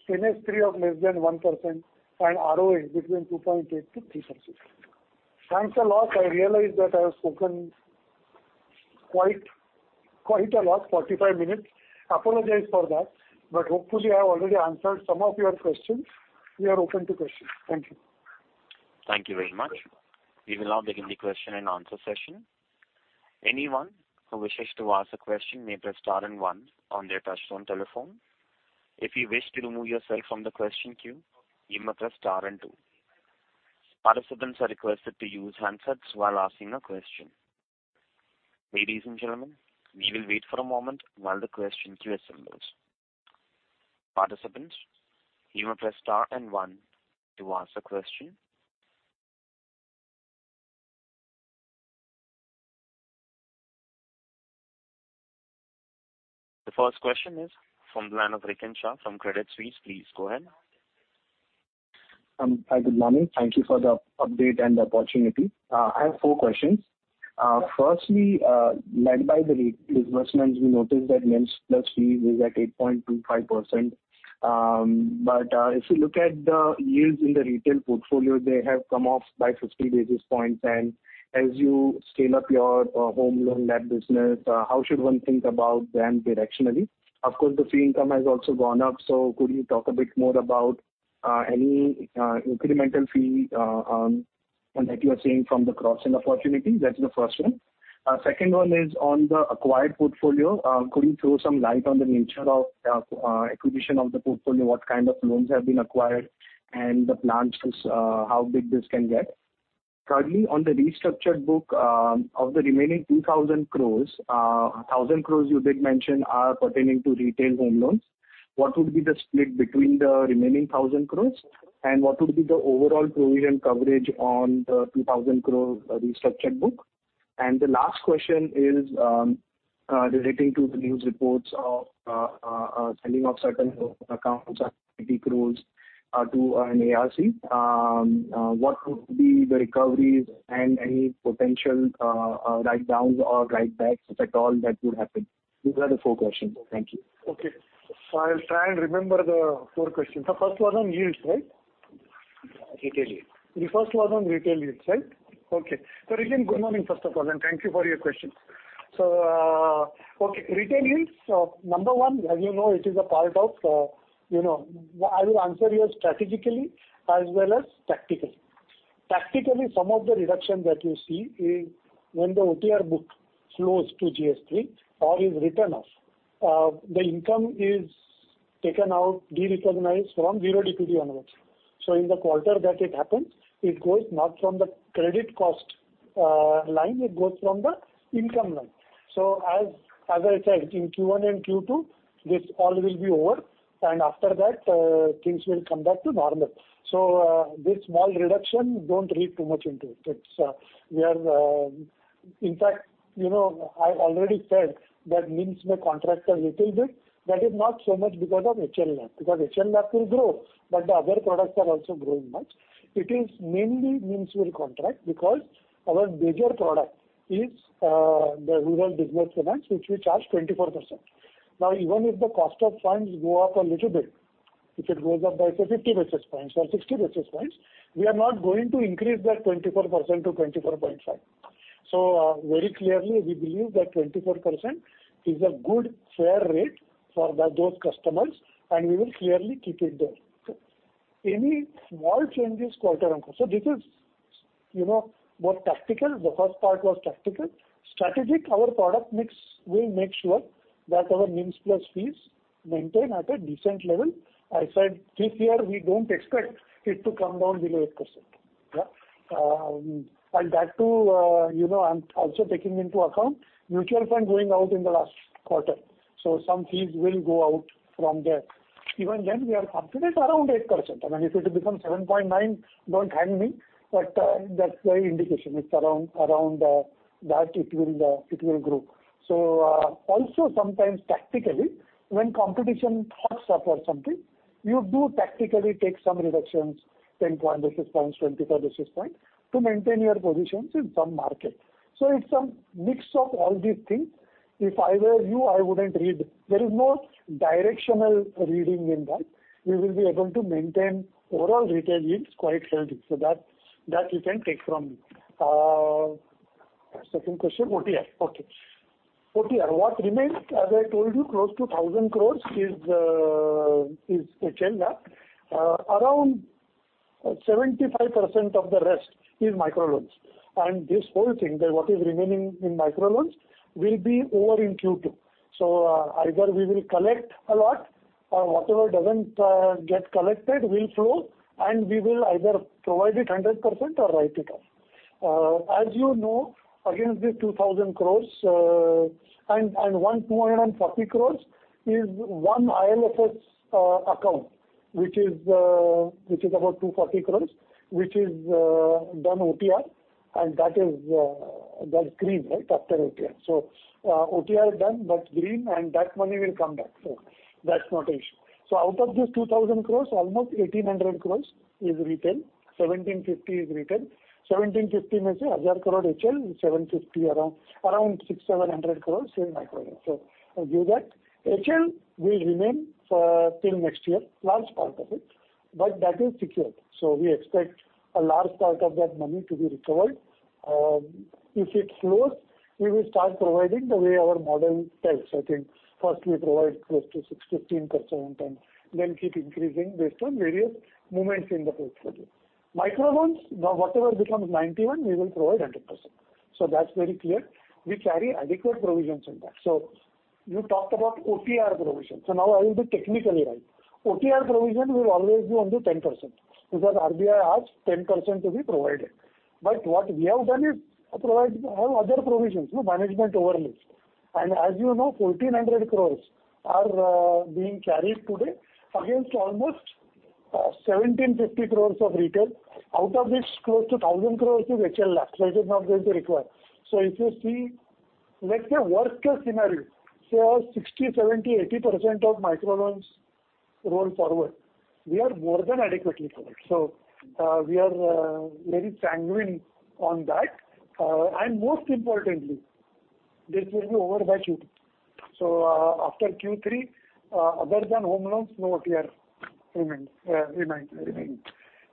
GN3 of less than 1% and ROA between 2.8%-3%. Thanks a lot. I realize that I have spoken quite a lot, 45 minutes. Apologize for that, but hopefully I have already answered some of your questions. We are open to questions. Thank you. Thank you very much. We will now begin the question and answer session. Anyone who wishes to ask a question may press star and one on their touchtone telephone. If you wish to remove yourself from the question queue, you may press star and two. Participants are requested to use handsets while asking a question. Ladies and gentlemen, we will wait for a moment while the question queue assembles. Participants, you may press star and one to ask a question. The first question is from the line of Rikin Shah from Credit Suisse. Please go ahead. Hi, good morning. Thank you for the update and the opportunity. I have four questions. Firstly, led by the re-disbursements, we noticed that NIMs plus fees is at 8.25%. If you look at the yields in the retail portfolio, they have come off by 50 basis points. As you scale up your home loan LAP business, how should one think about them directionally? Of course, the fee income has also gone up, so could you talk a bit more about any incremental fee that you are seeing from the cross-sell opportunity? That's the first one. Second one is on the acquired portfolio. Could you throw some light on the nature of acquisition of the portfolio? What kind of loans have been acquired and the plans to how big this can get? Thirdly, on the restructured book, of the remaining 2,000 crore, 1,000 crore you did mention are pertaining to retail home loans. What would be the split between the remaining 1,000 crore, and what would be the overall provision coverage on the 2,000 crore restructured book? The last question is, relating to the news reports of selling of certain accounts at INR 80 crore to an ARC. What would be the recoveries and any potential write-downs or write-backs, if at all, that would happen? These are the four questions. Thank you. Okay. I'll try and remember the four questions. The first was on yields, right? Retail yields. The first was on retail yields, right? Okay. Rikin, good morning, first of all, and thank you for your questions. Okay, retail yields. Number one, as you know, it is a part of. I will answer you strategically as well as tactically. Tactically, some of the reduction that you see is when the OTR book flows to GS3 or is written off, the income is taken out, de-recognized from zero DPD onwards. In the quarter that it happens, it goes not from the credit cost line, it goes from the income line. As I said, in Q1 and Q2, this all will be over, and after that, things will come back to normal. This small reduction, don't read too much into it. It's, we are... In fact, you know, I already said that NIMs may contract a little bit. That is not so much because of HL/LAP, because HL/LAP will grow, but the other products are also growing much. It is mainly NIMs will contract because our major product is the Rural Business Finance, which we charge 24%. Now, even if the cost of funds go up a little bit, if it goes up by say 50 basis points or 60 basis points, we are not going to increase that 24% to 24.5. Very clearly, we believe that 24% is a good, fair rate for those customers, and we will clearly keep it there. Any small changes quarter-on-quarter. This is, you know, more tactical. The first part was tactical. Strategically, our product mix will make sure that our NIMs plus fees maintain at a decent level. I said this year, we don't expect it to come down below 8%. That too, you know, I'm also taking into account mutual fund going out in the last quarter. Some fees will go out from there. Even then, we are confident around 8%. I mean, if it becomes 7.9, don't hang me, but that's the indication. It's around that it will grow. Also sometimes tactically, when competition hikes up or something, you do tactically take some reductions, 10 basis points, 24 basis points to maintain your positions in some markets. It's some mix of all these things. If I were you, I wouldn't read. There is no directional reading in that. We will be able to maintain overall retail yields quite healthy. That you can take from me. Second question, OTR. OTR, what remains, as I told you, close to 1,000 crore is HL/LAP. Around 75% of the rest is micro loans. This whole thing that what is remaining in micro loans will be over in Q2. Either we will collect a lot or whatever doesn't get collected will flow, and we will either provide it 100% or write it off. As you know, against this 2,000 crore, and 140 crore is one IL&FS account, which is about 240 crore, which is done OTR, and that is green, right, after OTR. OTR done, that's green, and that money will come back. That's not an issue. Out of this 2,000 crore, almost 1,800 crore is retail. 1,750 is retail. 1,750 means INR 1,000 crore HL, 750 around 600-700 crore in micro loans. I give that. HL will remain till next year, large part of it, but that is secured. We expect a large part of that money to be recovered. If it slows, we will start providing the way our model tells. I think first we provide close to 6%-15% and then keep increasing based on various movements in the portfolio. Micro loans, now whatever becomes 91, we will provide 100%. That's very clear. We carry adequate provisions in that. You talked about OTR provision. Now I will be technically right. OTR provision will always be only 10%, because RBI asks 10% to be provided. What we have done is have other provisions, you know, management overlays. As you know, 1,400 crore are being carried today against almost 1,750 crore of retail. Out of this, close to 1,000 crore is HL/LAP, so it is not going to require. If you see, let's say worst case scenario, say 60, 70, 80% of micro loans roll forward, we are more than adequately covered. We are very sanguine on that. Most importantly, this will be over by Q2. After Q3, other than home loans, no OTR remaining.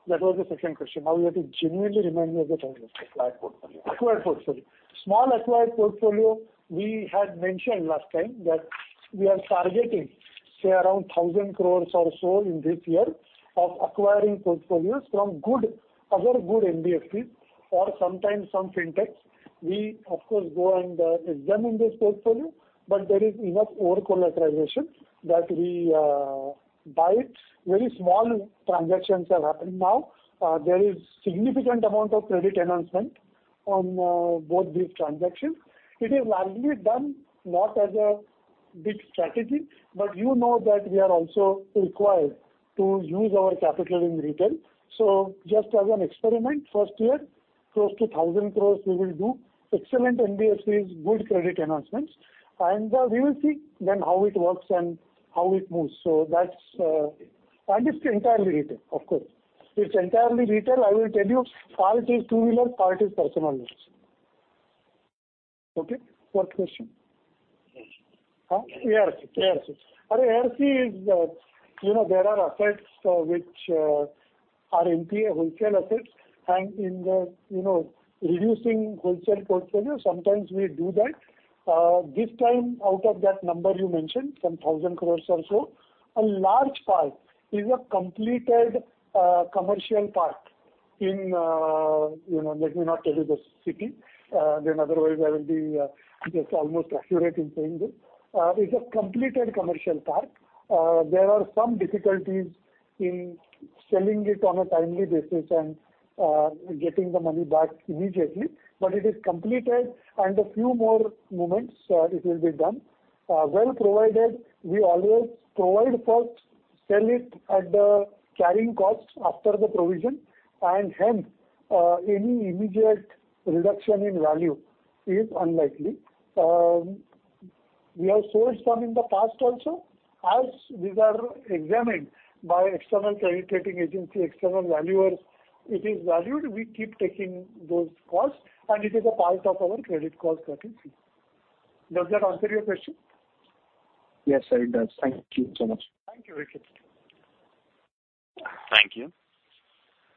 That was the second question. Now you have to genuinely remind me of the third one. Acquired portfolio. Acquired portfolio. Small acquired portfolio, we had mentioned last time that we are targeting, say, around 1,000 crore or so in this year of acquiring portfolios from good, other good NBFCs or sometimes some fintechs. We of course go and examine this portfolio, but there is enough over-collateralization that we buy it. Very small transactions have happened now. There is significant amount of credit enhancement on both these transactions. It is largely done not as a big strategy, but you know that we are also required to use our capital in retail. Just as an experiment, first year, close to 1,000 crore we will do. Excellent NBFCs, good credit enhancements. We will see then how it works and how it moves. That's entirely retail, of course. It's entirely retail. I will tell you, part is two-wheeler, part is personal loans. Okay. Fourth question. ARC. ARC is, you know, there are assets which are NPA wholesale assets and in the, you know, reducing wholesale portfolio, sometimes we do that. This time out of that number you mentioned, some 1,000 crore or so, a large part is a completed commercial park in, you know, let me not tell you the city, then otherwise I will be just almost accurate in saying this. It's a completed commercial park. There are some difficulties in selling it on a timely basis and getting the money back immediately, but it is completed and a few more moments, it will be done. Well provided, we always provide for, sell it at the carrying cost after the provision, and hence any immediate reduction in value is unlikely. We have sold some in the past also. As these are examined by external credit rating agency, external valuers, it is valued, we keep taking those costs and it is a part of our credit cost that you see. Does that answer your question? Yes, sir, it does. Thank you so much. Thank you, Rikin Shah. Thank you.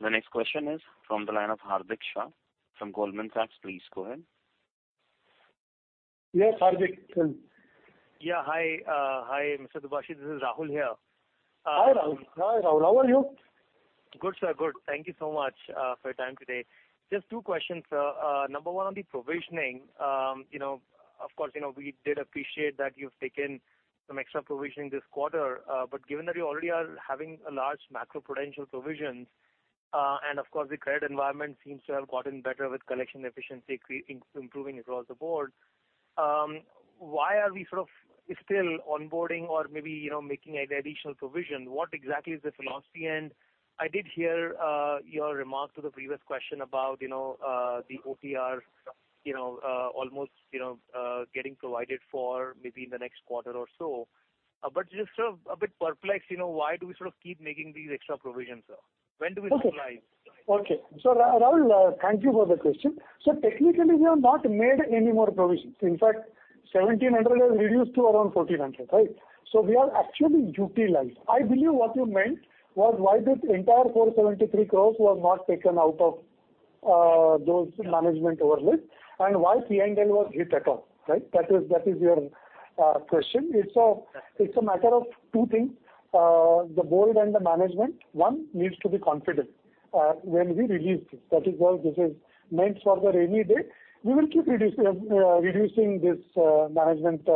The next question is from the line of Hardik Shah from Goldman Sachs. Please go ahead. Yes, Hardik. Tell me. Yeah. Hi. Hi, Mr. Dubhashi. This is Rahul here. Hi, Rahul. How are you? Good, sir. Good. Thank you so much for your time today. Just two questions, sir. Number one on the provisioning, you know, of course, you know, we did appreciate that you've taken some extra provisioning this quarter, but given that you already are having a large macro prudential provisions, and of course, the credit environment seems to have gotten better with collection efficiency improving across the board, why are we sort of still onboarding or maybe, you know, making an additional provision? What exactly is the philosophy? I did hear your remark to the previous question about, you know, the OTR, you know, almost, you know, getting provided for maybe in the next quarter or so. Just sort of a bit perplexed, you know, why do we sort of keep making these extra provisions, sir? When do we stabilize? Okay. Rahul, thank you for the question. Technically, we have not made any more provisions. In fact, 1,700 has reduced to around 1,400, right? We have actually utilized. I believe what you meant was why this entire 473 crore was not taken out of those management overlays and why P&L was hit at all, right? That is your question. It's a matter of two things. The board and the management, one needs to be confident when we release this. That is why this is meant for the rainy day. We will keep reducing this management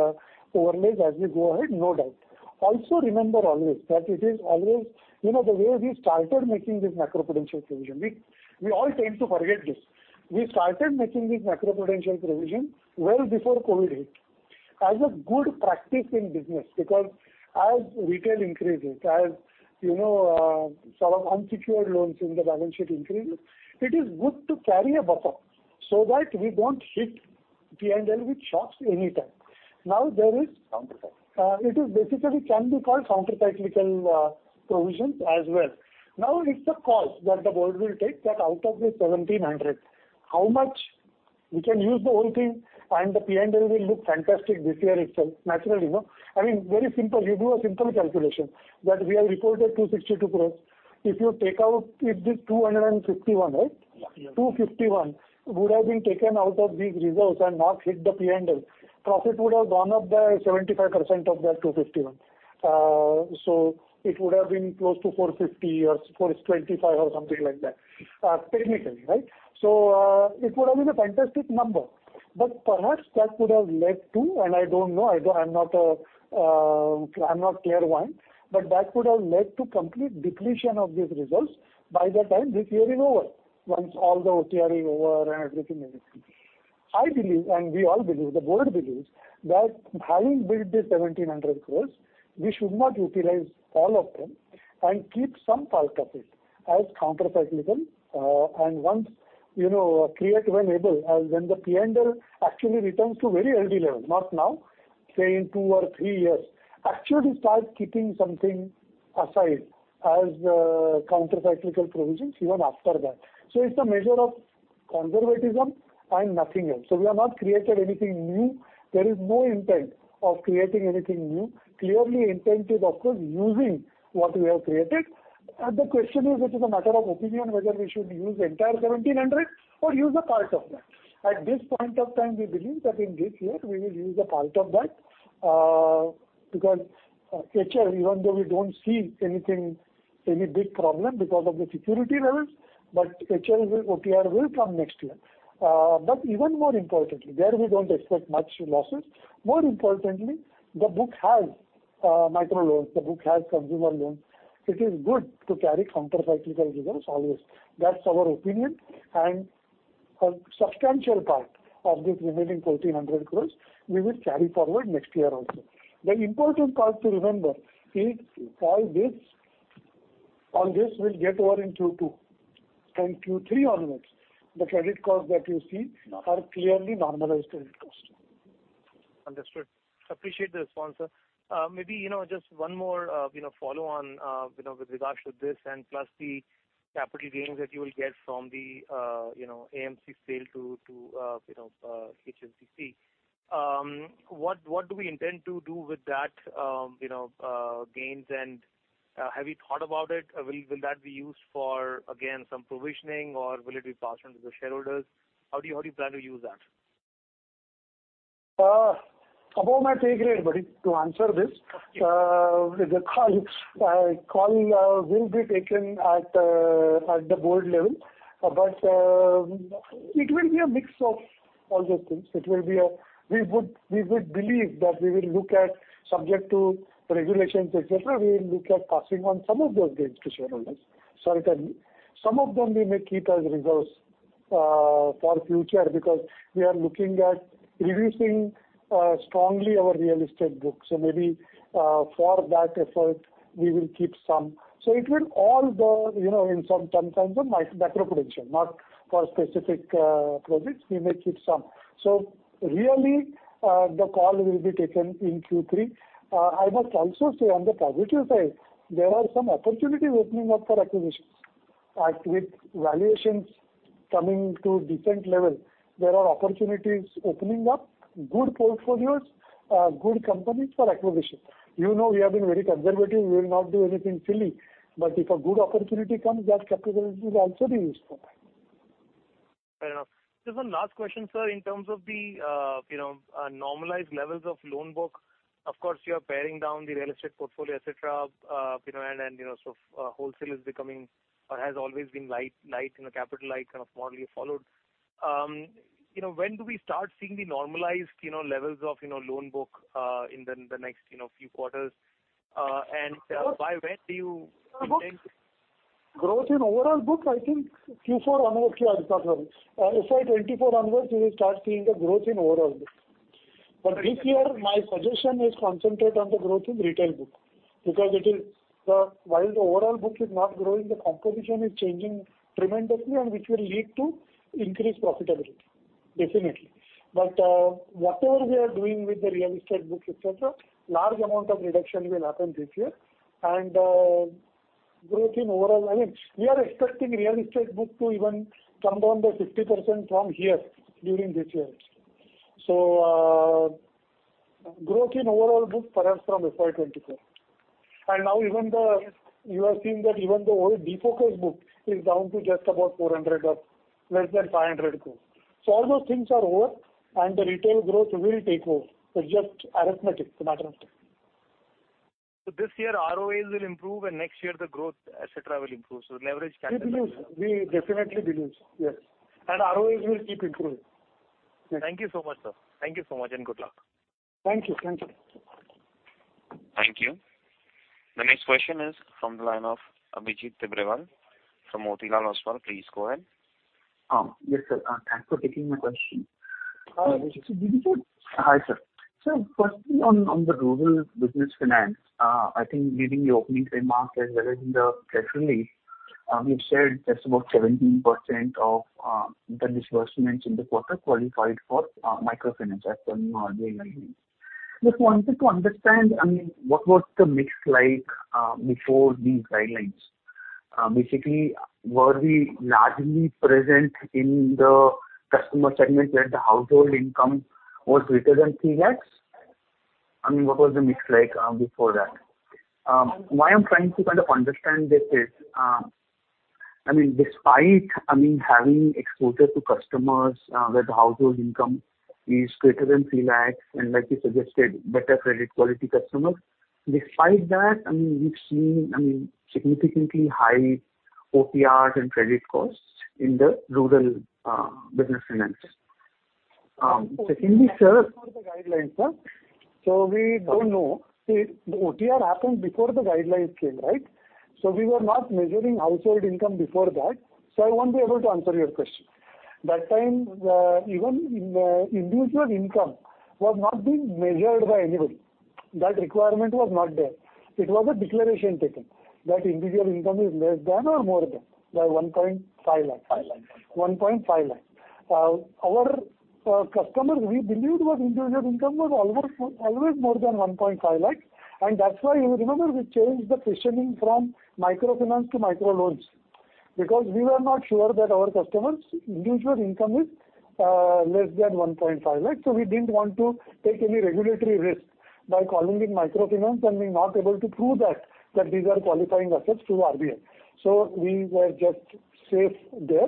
overlays as we go ahead, no doubt. Also remember always that it is always, you know, the way we started making this macro-prudential provision, we all tend to forget this. We started making this macro-prudential provision well before COVID hit as a good practice in business because as retail increases, as, you know, sort of unsecured loans in the balance sheet increases, it is good to carry a buffer so that we don't hit P&L with shocks anytime. Now, there is. Countercyclical. It is basically can be called countercyclical provisions as well. Now, it's the call that the board will take that out of the 1,700 crore, how much we can use the whole thing and the P&L will look fantastic this year itself, naturally, no? I mean, very simple. You do a simple calculation that we have reported 262 crore. If you take out, it is 251 crore, right? Yeah. 251 would have been taken out of these results and not hit the P&L. Profit would have gone up by 75% of that 251. It would have been close to 450 or 425 or something like that, technically, right? It would have been a fantastic number. Perhaps that would have led to, and I don't know, I'm not a Tier 1, but that could have led to complete depletion of these results by the time this year is over, once all the OTR is over and everything is finished. I believe, and we all believe, the board believes, that having built this 1,700 crore, we should not utilize all of them and keep some part of it as countercyclical. Once, you know, create when able, when the P&L actually returns to very healthy level, not now, say in two or three years, actually start keeping something aside as countercyclical provisions even after that. It's a measure of conservatism and nothing else. We have not created anything new. There is no intent of creating anything new. Clearly intent is, of course, using what we have created. The question is, it is a matter of opinion whether we should use the entire 1,700 or use a part of that. At this point of time, we believe that in this year we will use a part of that, because HL even though we don't see anything, any big problem because of the security levels, but HL will, OTR will come next year. Even more importantly, there we don't expect much losses. More importantly, the book has micro loans, the book has consumer loans. It is good to carry countercyclical results always. That's our opinion. A substantial part of this remaining 1,400 crore we will carry forward next year also. The important part to remember is all this will get over in Q2 and Q3 onwards, the credit cards that you see are clearly normalized credit cards. Understood. Appreciate the response, sir. Maybe, you know, just one more, you know, follow on, you know, with regards to this and plus the capital gains that you will get from the, you know, AMC sale to, you know, HSBC. What do we intend to do with that, you know, gains? Have you thought about it? Will that be used for, again, some provisioning, or will it be passed on to the shareholders? How do you plan to use that? Above my pay grade, buddy, to answer this. The call will be taken at the board level. It will be a mix of all those things. We would believe that we will look at, subject to regulations, et cetera, we will look at passing on some of those gains to shareholders. It can be. Some of them we may keep as reserves for future because we are looking at reducing strongly our real estate book. Maybe for that effort, we will keep some. It will all be, you know, in some terms and some macro protection, not for specific projects, we may keep some. Really, the call will be taken in Q3. I must also say on the positive side, there are some opportunities opening up for acquisitions. And with valuations coming to different level, there are opportunities opening up, good portfolios, good companies for acquisition. You know, we have been very conservative. We will not do anything silly. If a good opportunity comes, that capital will also be used for that. Fair enough. Just one last question, sir. In terms of the, you know, normalized levels of loan book, of course, you are paring down the real estate portfolio, et cetera, you know, and, you know, wholesale is becoming or has always been light in a capital light kind of model you followed. You know, when do we start seeing the normalized, you know, levels of, you know, loan book in the next, you know, few quarters? And, by when do you intend- Growth in overall book, I think Q4 onwards you will start seeing. FY 2024 onwards you will start seeing the growth in overall book. This year, my suggestion is concentrate on the growth in retail book because it is the, while the overall book is not growing, the competition is changing tremendously and which will lead to increased profitability. Definitely. Whatever we are doing with the real estate book, et cetera, large amount of reduction will happen this year. I mean, we are expecting real estate book to even come down by 50% from here during this year. Growth in overall book perhaps from FY 2024. Now even the, you have seen that even the old default case book is down to just about 400 crore or less than 500 crore. All those things are over and the retail growth will take over. It's just arithmetic, the matter of. This year ROAs will improve and next year the growth, et cetera, will improve. Leverage can improve. We believe. We definitely believe, yes. ROAs will keep improving. Yes. Thank you so much, sir. Thank you so much and good luck. Thank you. Thank you. Thank you. The next question is from the line of Abhijit Tibrewal from Motilal Oswal. Please go ahead. Yes, sir. Thanks for taking my question. Hi, Abhijit. Hi, sir. Firstly on the Rural Business Finance, I think during the opening remarks as well as in the press release, you've said just about 17% of the disbursements in the quarter qualified for microfinance as per new RBI guidelines. Just wanted to understand, I mean, what was the mix like before these guidelines? Basically, were we largely present in the customer segment where the household income was greater than 3 lakh? I mean, what was the mix like before that? Why I'm trying to kind of understand this is, I mean, despite having exposure to customers where the household income is greater than 3 lakh, and like you suggested, better credit quality customers, despite that, I mean, we've seen significantly high OTR and credit costs in the Rural Business Finance. Secondly, sir. Before the guidelines, sir. We don't know. See, the OTR happened before the guidelines came, right? We were not measuring household income before that, so I won't be able to answer your question. That time, even in individual income was not being measured by anybody. That requirement was not there. It was a declaration taken that individual income is less than or more than 1.5 lakh. 5 lakh. 1.5 lakh. Our customers, we believed individual income was almost always more than 1.5 lakh, and that's why you remember we changed the positioning from microfinance to micro loans. Because we were not sure that our customers' individual income is less than 1.5 lakh. We didn't want to take any regulatory risk by calling it microfinance and being not able to prove that these are qualifying assets to RBI. We were just safe there.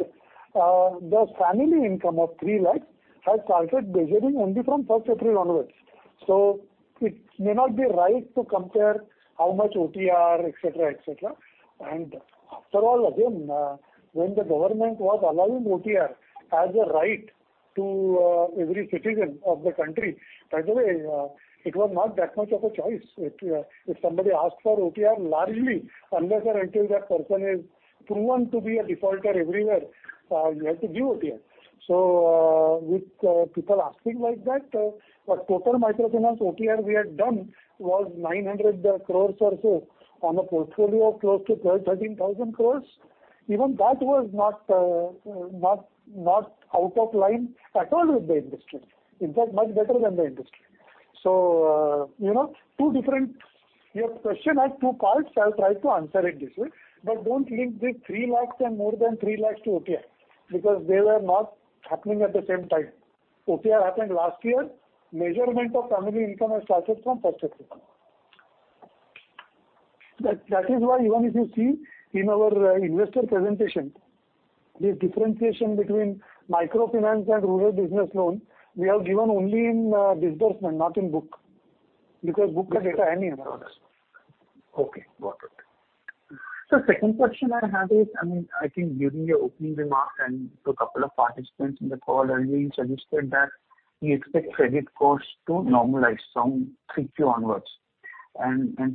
The family income of 3 lakh has started measuring only from first April onwards. It may not be right to compare how much OTR, et cetera, et cetera. After all, again, when the government was allowing OTR as a right to every citizen of the country, by the way, it was not that much of a choice. If somebody asked for OTR, largely unless or until that person is proven to be a defaulter everywhere, you have to give OTR. With people asking like that, the total microfinance OTR we had done was 900 crore or so on a portfolio of close to 13,000 crore. Even that was not out of line at all with the industry. In fact, much better than the industry. You know, two different. Your question had two parts. I'll try to answer it this way. Don't link the 3 lakh and more than 3 lakh to OTR, because they were not happening at the same time. OTR happened last year. Measurement of family income has started from first April. That is why even if you see in our investor presentation, the differentiation between microfinance and rural business loan, we have given only in disbursement, not in book. Because book the data I need. Okay. Got it. Sir, second question I have is, I mean, I think during your opening remarks and to a couple of participants in the call earlier you suggested that you expect credit costs to normalize from 3Q onwards.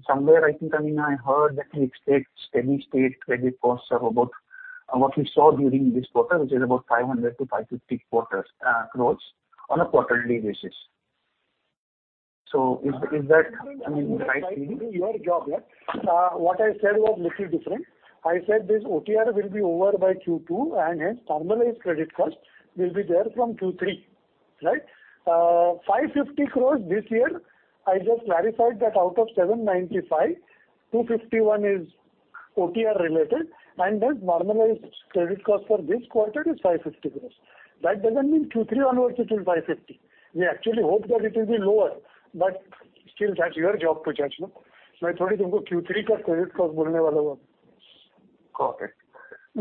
Somewhere I think, I mean, I heard that you expect steady state credit costs are about what we saw during this quarter, which is about 500-550 crore on a quarterly basis. Is that, I mean, the right reading? That will be your job. What I said was little different. I said this OTR will be over by Q2, and hence normalized credit cost will be there from Q3. Right? 550 crore this year, I just clarified that out of 795, 251 is OTR related, and hence normalized credit cost for this quarter is 550 crore. That doesn't mean Q3 onwards it will be 550 crore. We actually hope that it will be lower, but still that's your job to judge no? Got it.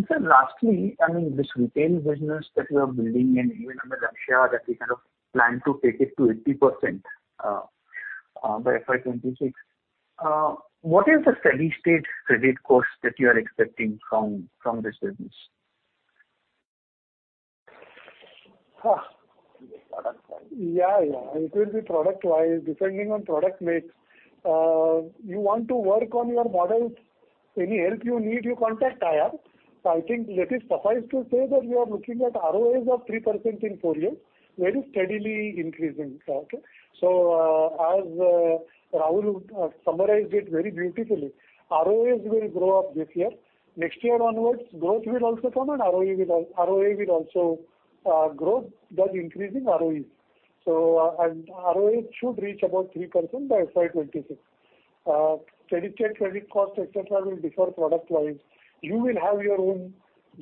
Sir, lastly, I mean, this retail business that you are building and even on the ratio that you kind of plan to take it to 80%, by FY 2026, what is the steady state credit cost that you are expecting from this business? Huh. Product wise. It will be product-wise, depending on product mix. You want to work on your models, any help you need, you contact IR. I think let it suffice to say that we are looking at ROAs of 3% in four years, very steadily increasing. As Rahul summarized it very beautifully, ROAs will grow up this year. Next year onwards, growth will also come and ROE will ROA will also, growth thus increasing ROE. ROA should reach about 3% by FY 2026. Credit check, credit cost, etc., will differ product-wise. You will have your own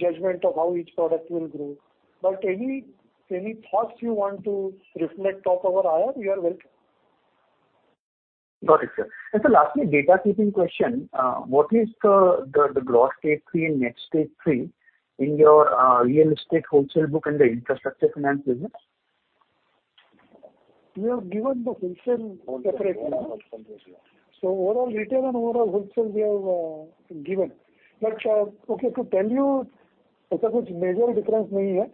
judgment of how each product will grow. But any thoughts you want to reflect to our IR, you are welcome. Got it, sir. Sir, lastly, housekeeping question. What is the gross Stage Three and Net Stage Three in your real estate wholesale book and the infrastructure finance business? We have given the wholesale separately. Wholesale. Overall retail and overall wholesale we have given. Okay, to tell you real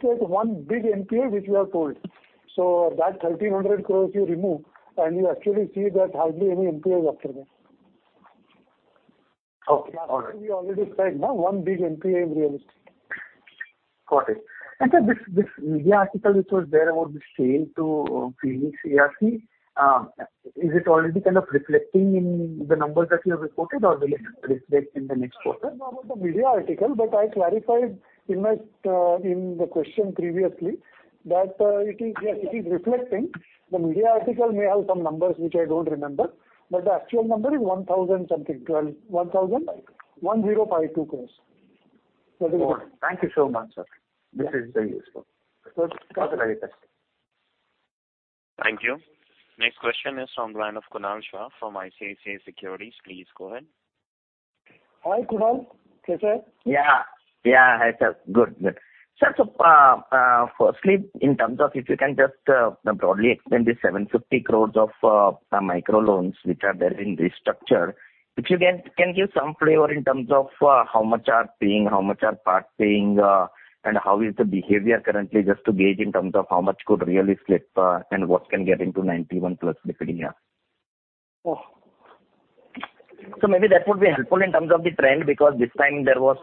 estate, one big NPA which we have told. That 1,300 crore you remove, and you actually see that hardly any NPA is after that. Okay. All right. Last time we already said, no? One big NPA in real estate. Got it. Sir, this media article which was there about the sale to Phoenix ARC, is it already kind of reflecting in the numbers that you have reported or will it reflect in the next quarter? I don't know about the media article, but I clarified in the question previously that it is, yes, it is reflecting. The media article may have some numbers which I don't remember, but the actual number is 1,000 something. 1,052 crore. Thank you so much, sir. This is very useful. Okay. Thank you very much. Thank you. Next question is from the line of Kunal Shah from ICICI Securities. Please go ahead. Hi, Kunal. Yeah. Hi, sir. Good. Good. Sir, firstly, in terms of if you can just broadly explain the 750 crore of micro loans which are there in restructure. If you can give some flavor in terms of how much are paying, how much are part paying, and how is the behavior currently just to gauge in terms of how much could really slip, and what can get into 91+ DPD here. Oh. Maybe that would be helpful in terms of the trend, because this time there was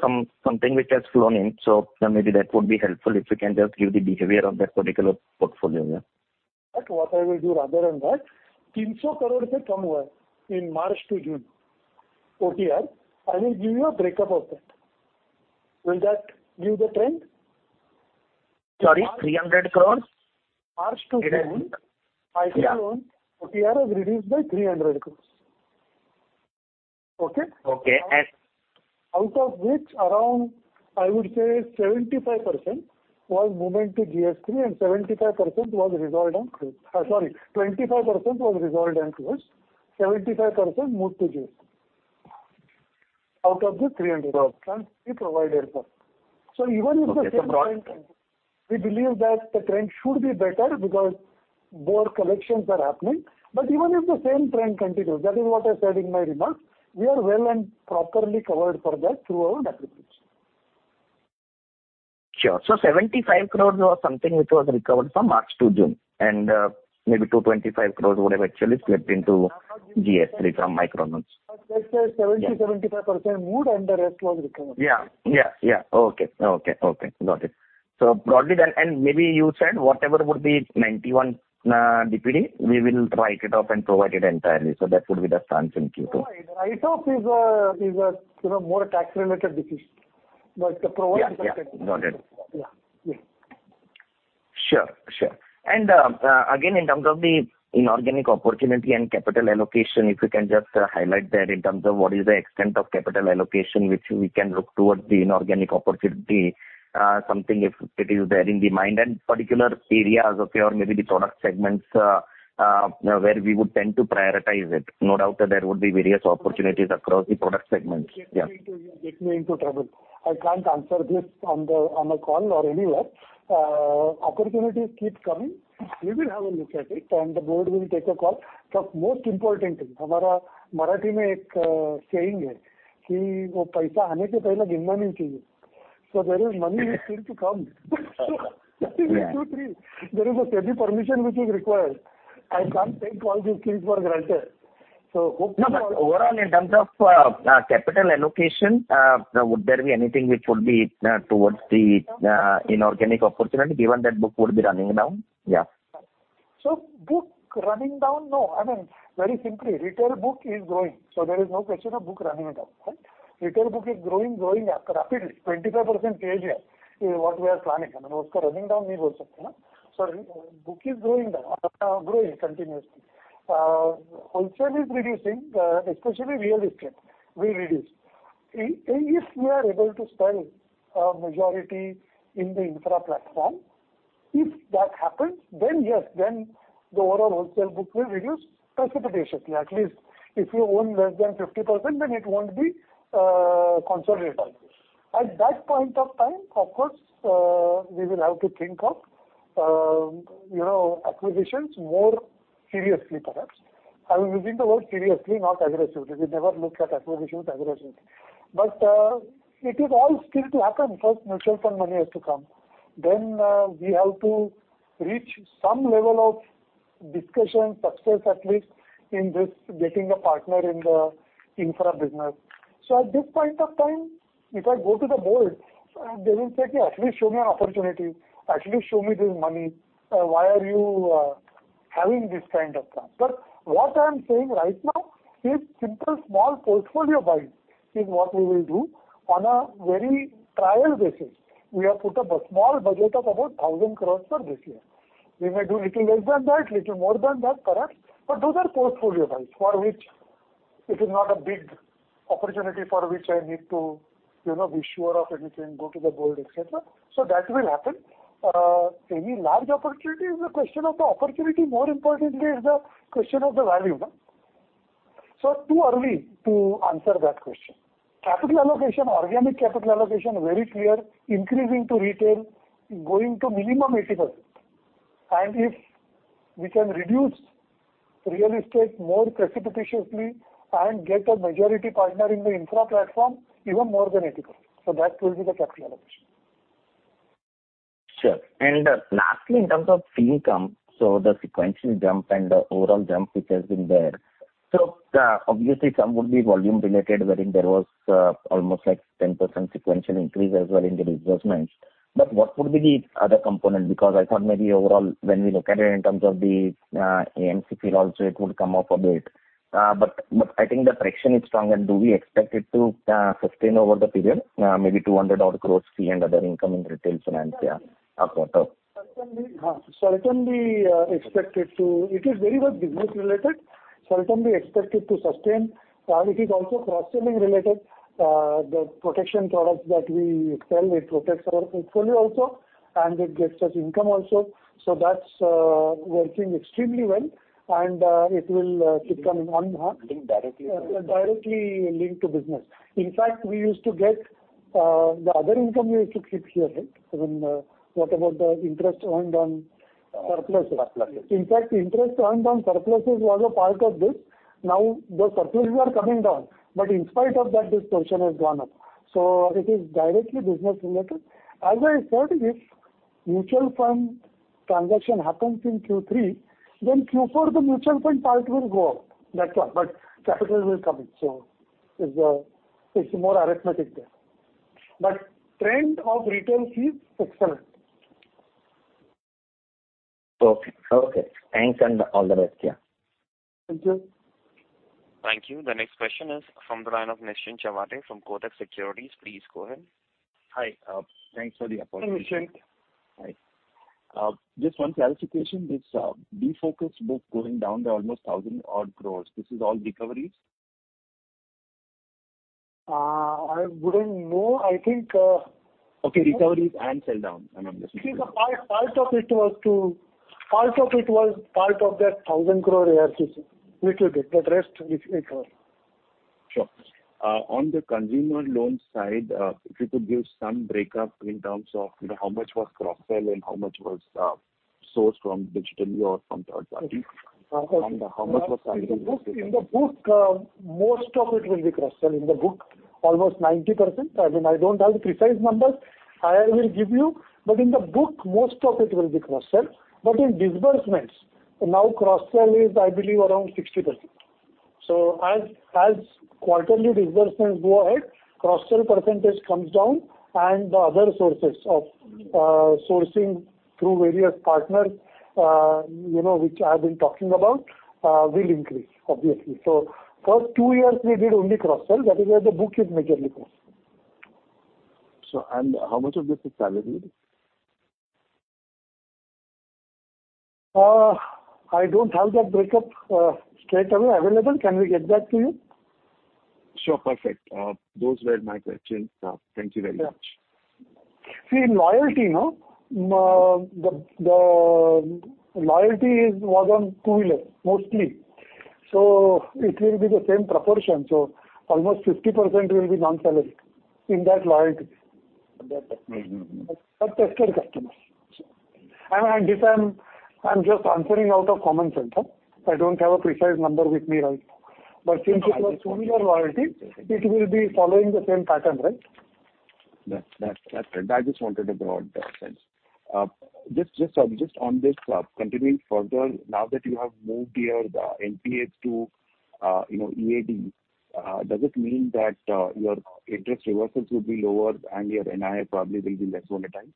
something which has flown in, so maybe that would be helpful if you can just give the behavior of that particular portfolio, yeah. What I will do rather than that, in March to June, OTR, I will give you a break-up of that. Will that give the trend? Sorry, 300 crore? March to June. Yeah. Micro loan OTR has reduced by 300 crore. Okay? Okay. Out of which, around, I would say 75% was moved into GS3 and 75% was resolved and closed. 25% was resolved and closed, 75% moved to GS. Out of the 300 crore we provided for. Even if the same trend- Okay. We believe that the trend should be better because more collections are happening. Even if the same trend continues, that is what I said in my remarks, we are well and properly covered for that through our depreciation. Sure. 75 crore was something which was recovered from March to June, and maybe 225 crore would have actually slipped into GS3 from micro loans. I'm not giving you. I said 70-75% moved and the rest was recovered. Yeah. Okay. Got it. Broadly then, and maybe you said whatever would be 91 DPD, we will write it off and provide it entirely. That would be the stance in Q2. No. Write-off is a, you know, more a tax-related decision. The provision. Yeah. Yeah. Got it. Yeah. Yeah. Sure. Again, in terms of the inorganic opportunity and capital allocation, if you can just highlight that in terms of what is the extent of capital allocation which we can look towards the inorganic opportunity, something if it is there in the mind and particular areas of your, maybe the product segments, where we would tend to prioritize it. No doubt that there would be various opportunities across the product segments. Yeah. You get me into trouble. I can't answer this on a call or anywhere. Opportunities keep coming. We will have a look at it, and the board will take a call. Most important thing, "While the money is coming in, you have to count it." There is money which is to come. Yeah. 2, 3. There is a SEBI permission which is required. I can't take all these things for granted. Hopefully Overall in terms of capital allocation, would there be anything which would be towards the inorganic opportunity given that book would be running down? Yeah. Book running down? No. I mean, very simply, retail book is growing, so there is no question of book running down. Right? Retail book is growing rapidly, 25% page yield is what we are planning. I mean, you can't say it's running down. Book is growing now, growing continuously. Wholesale is reducing, especially real estate will reduce. If we are able to sell a majority in the infra platform, if that happens, then yes, then the overall wholesale book will reduce precipitously. At least if you own less than 50%, then it won't be consolidated. At that point of time, of course, we will have to think of, you know, acquisitions more seriously, perhaps. I'm using the word seriously, not aggressively. We never look at acquisitions aggressively. It is all still to happen. First mutual fund money has to come. We have to reach some level of discussion success, at least in this getting a partner in the infra business. At this point of time, if I go to the board, they will say, "Actually show me opportunity. Actually show me this money. Why are you having this kind of plan?" What I'm saying right now is simple small portfolio buys is what we will do on a very trial basis. We have put up a small budget of about 1,000 crore for this year. We may do little less than that, little more than that, correct? Those are portfolio buys for which it is not a big opportunity for which I need to, you know, be sure of anything, go to the board, et cetera. That will happen. Any large opportunity is a question of the opportunity, more importantly is the question of the value, no. Too early to answer that question. Capital allocation, organic capital allocation, very clear, increasing to retail, going to minimum 80%. If we can reduce real estate more precipitously and get a majority partner in the infra platform, even more than 80%. That will be the capital allocation. Sure. Lastly, in terms of fee income, the sequential jump and the overall jump which has been there. Obviously some would be volume related, wherein there was almost like 10% sequential increase as well in the disbursements. But what would be the other component? Because I thought maybe overall, when we look at it in terms of the AMC fee also it would come up a bit. But I think the traction is stronger. Do we expect it to sustain over the period, maybe 200 odd crore fee and other income in retail finance, yeah, quarter? Certainly, it is very much business related. Certainly expect it to sustain. It is also cross-selling related. The protection products that we sell, it protects our portfolio also, and it gets us income also. That's working extremely well, and it will keep coming on. I think directly. Directly linked to business. In fact, we used to get, the other income we used to keep here, right? Even, what about the interest earned on surpluses. Surpluses. In fact, interest earned on surpluses was a part of this. Now, those surpluses are coming down, but in spite of that, this portion has gone up. It is directly business related. As I said, if mutual fund transaction happens in Q3, then Q4, the mutual fund part will go up. That's all. Capital will come in. It's more arithmetic there. Trend of retail fees, excellent. Okay. Okay. Thanks, and all the best. Yeah. Thank you. Thank you. The next question is from the line of Nischint Chawathe from Kotak Securities. Please go ahead. Hi. Thanks for the opportunity. Nischint. Hi. Just one clarification. This defocused book going down by almost 1,000-odd crore, this is all recoveries? I wouldn't know. I think, Okay, recoveries and sell down. I mean, I'm just. See, part of it was part of that 1,000 crore ARC, little bit, but rest it was. Sure. On the consumer loan side, if you could give some breakup in terms of, you know, how much was cross-sell and how much was sourced digitally or from third party? In the book, most of it will be cross-sell. In the book, almost 90%. I mean, I don't have the precise numbers. I will give you. In disbursements, now cross-sell is, I believe, around 60%. As quarterly disbursements go ahead, cross-sell percentage comes down and the other sources of sourcing through various partners, you know, which I've been talking about, will increase obviously. First two years we did only cross-sell. That is why the book is majorly cross-sell. How much of this is salaried? I don't have that break-up straightaway available. Can we get that to you? Sure. Perfect. Those were my questions. Thank you very much. Yeah. See, loyalty, no? The loyalty was on two-wheeler mostly. It will be the same proportion. Almost 50% will be non-salaried in that loyalty. Okay. Mm-hmm. Trusted customers. Sure. This, I'm just answering out of common sense. I don't have a precise number with me right now. Since it was two-wheeler loyalty, it will be following the same pattern, right? That's it. I just wanted a broad sense. Just on this, continuing further, now that you have moved your NPAs to EAD, does it mean that your interest reversals will be lower and your NII probably will be less volatile?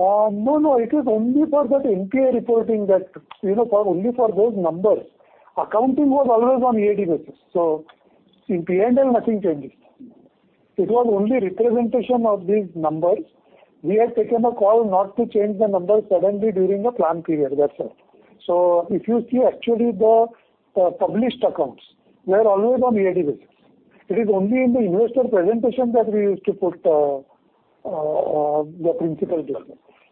No. It is only for that NPA reporting that, you know, only for those numbers. Accounting was always on EAD basis. In P&L nothing changes. It was only representation of these numbers. We had taken a call not to change the numbers suddenly during the plan period. That's all. If you see actually the published accounts, we are always on EAD basis. It is only in the investor presentation that we used to put the principal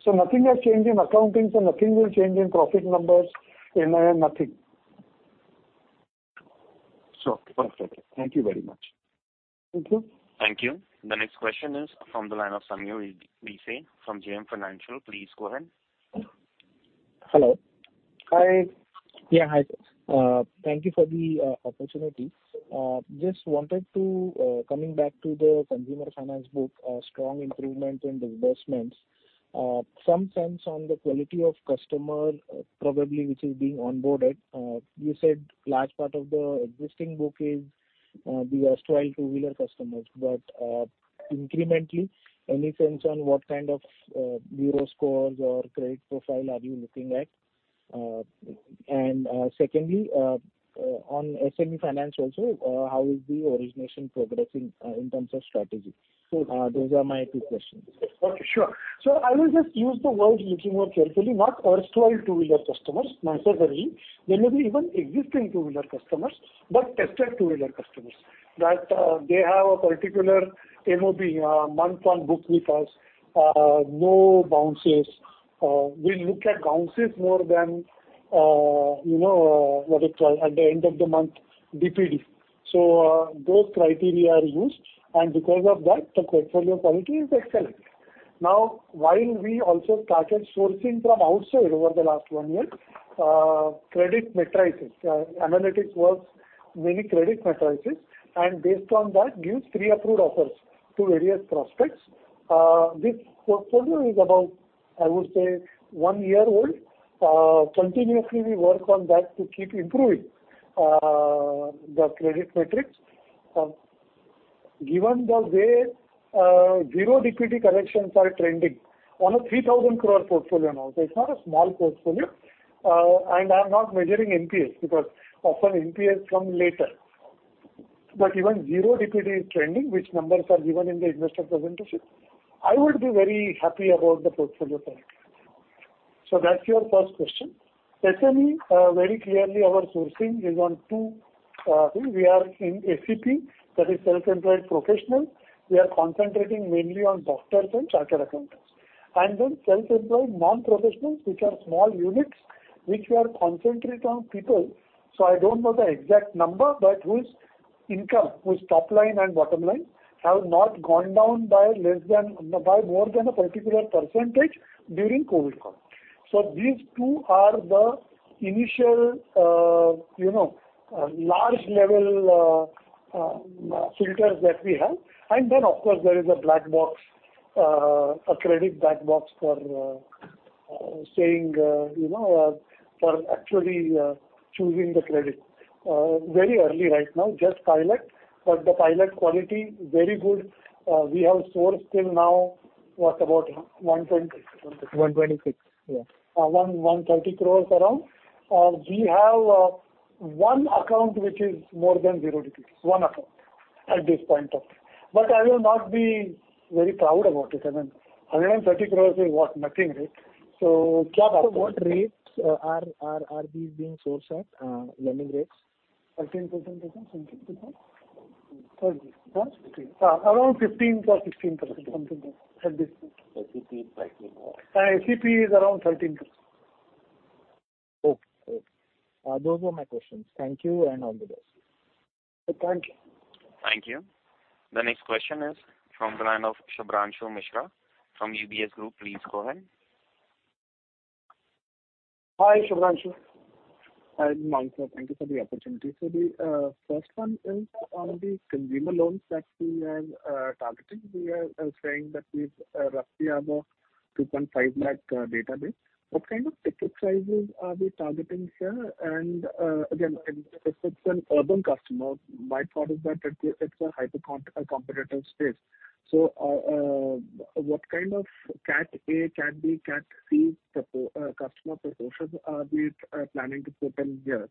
disbursement. Nothing has changed in accounting, so nothing will change in profit numbers, NIM, nothing. Sure. Perfect. Thank you very much. Thank you. Thank you. The next question is from the line of Samyak Desai from JM Financial. Please go ahead. Hello. Hi. Yeah. Hi. Thank you for the opportunity. Just wanted to come back to the consumer finance book, strong improvement in disbursements. Some sense on the quality of customer profile which is being onboarded. You said large part of the existing book is the erstwhile two-wheeler customers. Incrementally, any sense on what kind of bureau scores or credit profile are you looking at? On SME finance also, how is the origination progressing, in terms of strategy? Sure. Those are my two questions. Okay. Sure. I will just use the word looking more carefully, not erstwhile two-wheeler customers necessarily. They may be even existing two-wheeler customers, but trusted two-wheeler customers that they have a particular MOB, month on book with us, no bounces. We look at bounces more than, you know, what you call at the end of the month, DPD. Those criteria are used, and because of that the portfolio quality is excellent. Now, while we also started sourcing from outside over the last one year, credit metrics, analytics was mainly credit metrics, and based on that gives pre-approved offers to various prospects. This portfolio is about, I would say, one year old. Continuously we work on that to keep improving the credit metrics. Given the way zero DPD collections are trending on a 3,000 crore portfolio now, it's not a small portfolio. I'm not measuring NPS because often NPS come later. Even zero DPD is trending, which numbers are given in the investor presentation. I would be very happy about the portfolio quality. That's your first question. SME, very clearly our sourcing is on two things. We are in SEP, that is self-employed professional. We are concentrating mainly on doctors and chartered accountants, and then self-employed non-professionals, which are small units which we are concentrate on people, so I don't know the exact number, but whose income, whose top line and bottom line have not gone down by more than a particular percentage during COVID. These two are the initial, you know, large level, filters that we have. Then of course there is a black box, a credit black box for saying, you know, for actually choosing the credit. Very early right now, just pilot, but the pilot quality very good. We have sourced till now, what about 120- 126. Yeah. 130 crore around. We have one account which is more than 0 DPD, one account at this point of time. But I will not be very proud about it. I mean, 130 crore is what? Nothing, right? So cap out- What rates are these being sourced at, lending rates? 13% approximately. 13%. Around 15% or 16% something like that at this point. SEP is 13. SEP is around 13%. Okay, those were my questions. Thank you and all the best. Thank you. Thank you. The next question is from the line of Shubhranshu Mishra from UBS Group. Please go ahead. Hi, Shubhranshu. Hi, Dinanath. Thank you for the opportunity. The first one is on the consumer loans that we are targeting. We are saying that we've roughly have a 2.5 lakh database. What kind of ticket sizes are we targeting here? Again, if it's an urban customer, my thought is that it's a hyper-competitive space. What kind of cat A, cat B, cat C customer proportions are we planning to put in here?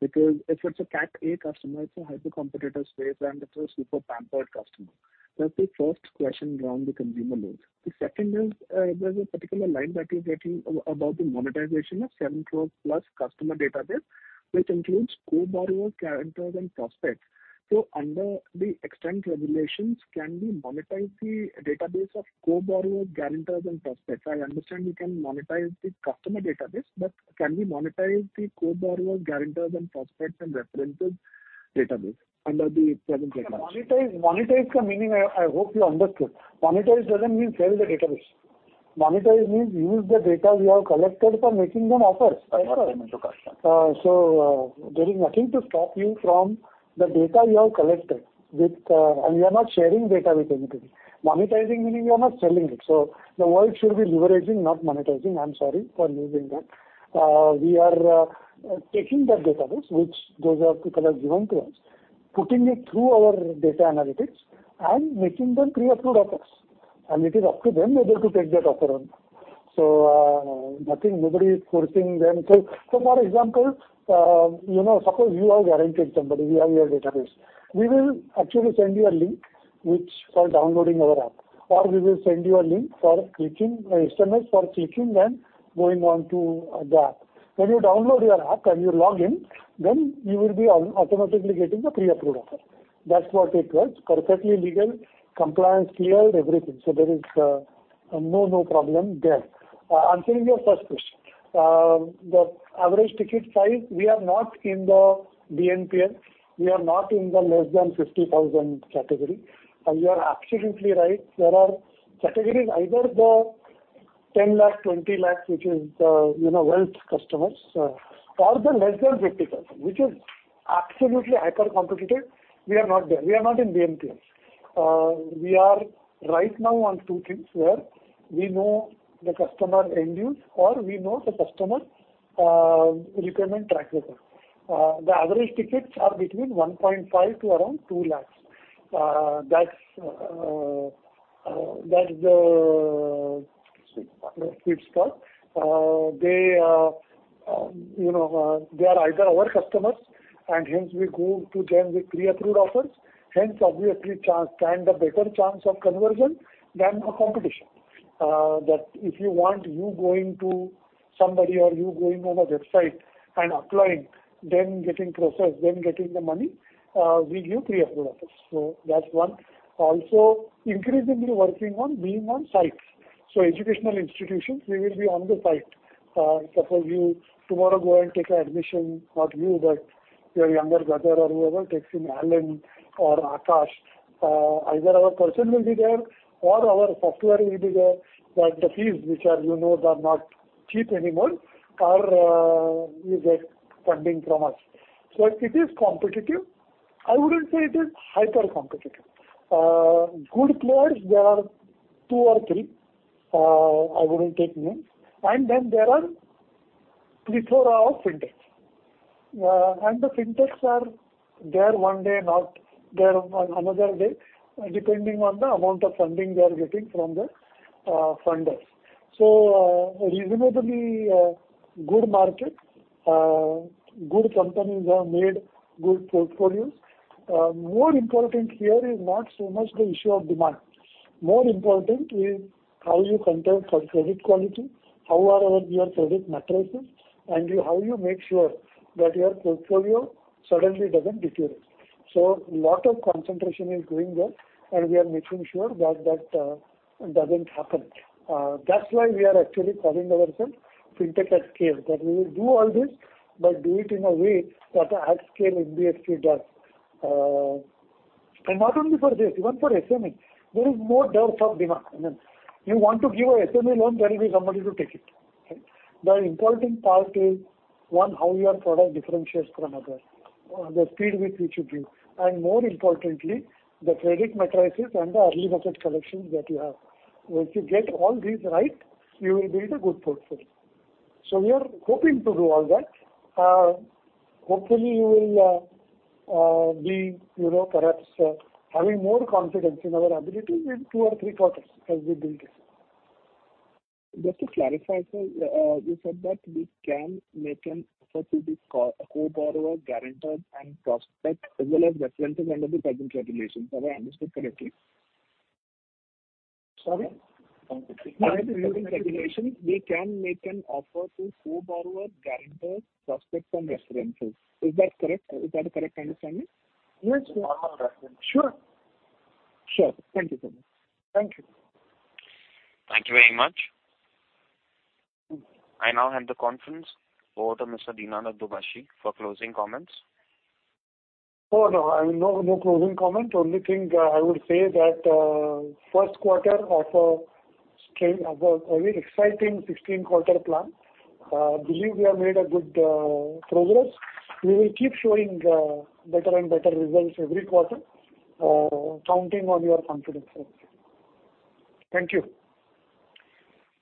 Because if it's a cat A customer, it's a hypercompetitive space, and it's a super pampered customer. That's the first question around the consumer loans. The second is, there's a particular line that you're getting about the monetization of 7 crore+ customer database, which includes co-borrowers, guarantors and prospects. Under the extant regulations, can we monetize the database of co-borrowers, guarantors and prospects? I understand you can monetize the customer database, but can we monetize the co-borrower, guarantors and prospects and references database under the present regulations? Monetize ka meaning, I hope you understood. Monetize doesn't mean sell the database. Monetize means use the data we have collected for making them offers. For cross-selling to customers. There is nothing to stop you from the data you have collected with, and we are not sharing data with anybody. Monetizing meaning we are not selling it. The word should be leveraging, not monetizing. I'm sorry for using that. We are taking that database which those people have given to us, putting it through our data analytics and making them pre-approved offers, and it is up to them whether to take that offer or not. Nothing, nobody is forcing them. For example, you know, suppose you have guaranteed somebody, we have your database. We will actually send you a link which for downloading our app or we will send you a link for telling, an SMS for telling them going on to the app. When you download your app and you log in, you will be automatically getting the pre-approved offer. That's what it was. Perfectly legal, compliance cleared everything. There is no problem there. Answering your first question. The average ticket size, we are not in the BNPL. We are not in the less than 50,000 category. You are absolutely right, there are categories either the 10 lakh, 20 lakh, which is the, you know, wealth customers, or the less than 50,000, which is absolutely hypercompetitive. We are not there. We are not in BNPL. We are right now on two things where we know the customer end use or we know the customer requirement track record. The average tickets are between 1.5 lakh to around 2 lakh. That's the sweet spot. You know, they are either our customers and hence we go to them with pre-approved offers, hence obviously stand a better chance of conversion than a competition. That if you want, you're going to somebody or you're going on a website and applying, then getting processed, then getting the money, we give pre-approved offers. That's one. Also, increasingly working on being on-site. Educational institutions, we will be on-site. Suppose tomorrow you go and take an admission, not you, but your younger brother or whoever takes in ALLEN or Aakash, either our person will be there or our software will be there, that the fees, which are, you know, not cheap anymore, you get funding from us. It is competitive. I wouldn't say it is hyper competitive. Good players, there are two or three, I wouldn't take names. Then there are plethora of fintechs. The fintechs are there one day, not there on another day, depending on the amount of funding they are getting from the funders. Reasonably good market. Good companies have made good portfolios. More important here is not so much the issue of demand. More important is how you control for credit quality, how your credit metrics and how you make sure that your portfolio suddenly doesn't deteriorate. A lot of concentration is going there, and we are making sure that that doesn't happen. That's why we are actually calling ourselves Fintech at scale, that we will do all this, but do it in a way that a at scale NBFC does. Not only for this, even for SME there is more dearth of demand. I mean, you want to give a SME loan, there will be somebody to take it. Right? The important part is, one, how your product differentiates from others, the speed with which you give, and more importantly, the credit metrics and the early bucket collections that you have. If you get all these right, you will build a good portfolio. We are hoping to do all that. Hopefully we will be, you know, perhaps, having more confidence in our ability in two or three quarters as we build this. Just to clarify, sir, you said that we can make an offer to the co-borrower, guarantor and prospect as well as references under the present regulations. Have I understood correctly? Sorry. Under the present regulations, we can make an offer to co-borrower, guarantor, prospects and references. Is that correct? Is that a correct understanding? Yes. Sure. Thank you, sir. Thank you. Thank you very much. I now hand the conference over to Mr. Dinanath Dubhashi for closing comments. Oh, no. I mean, no closing comment. Only thing I would say that first quarter of a string of a very exciting 16-quarter plan. Believe we have made a good progress. We will keep showing better and better results every quarter, counting on your confidence. Thank you.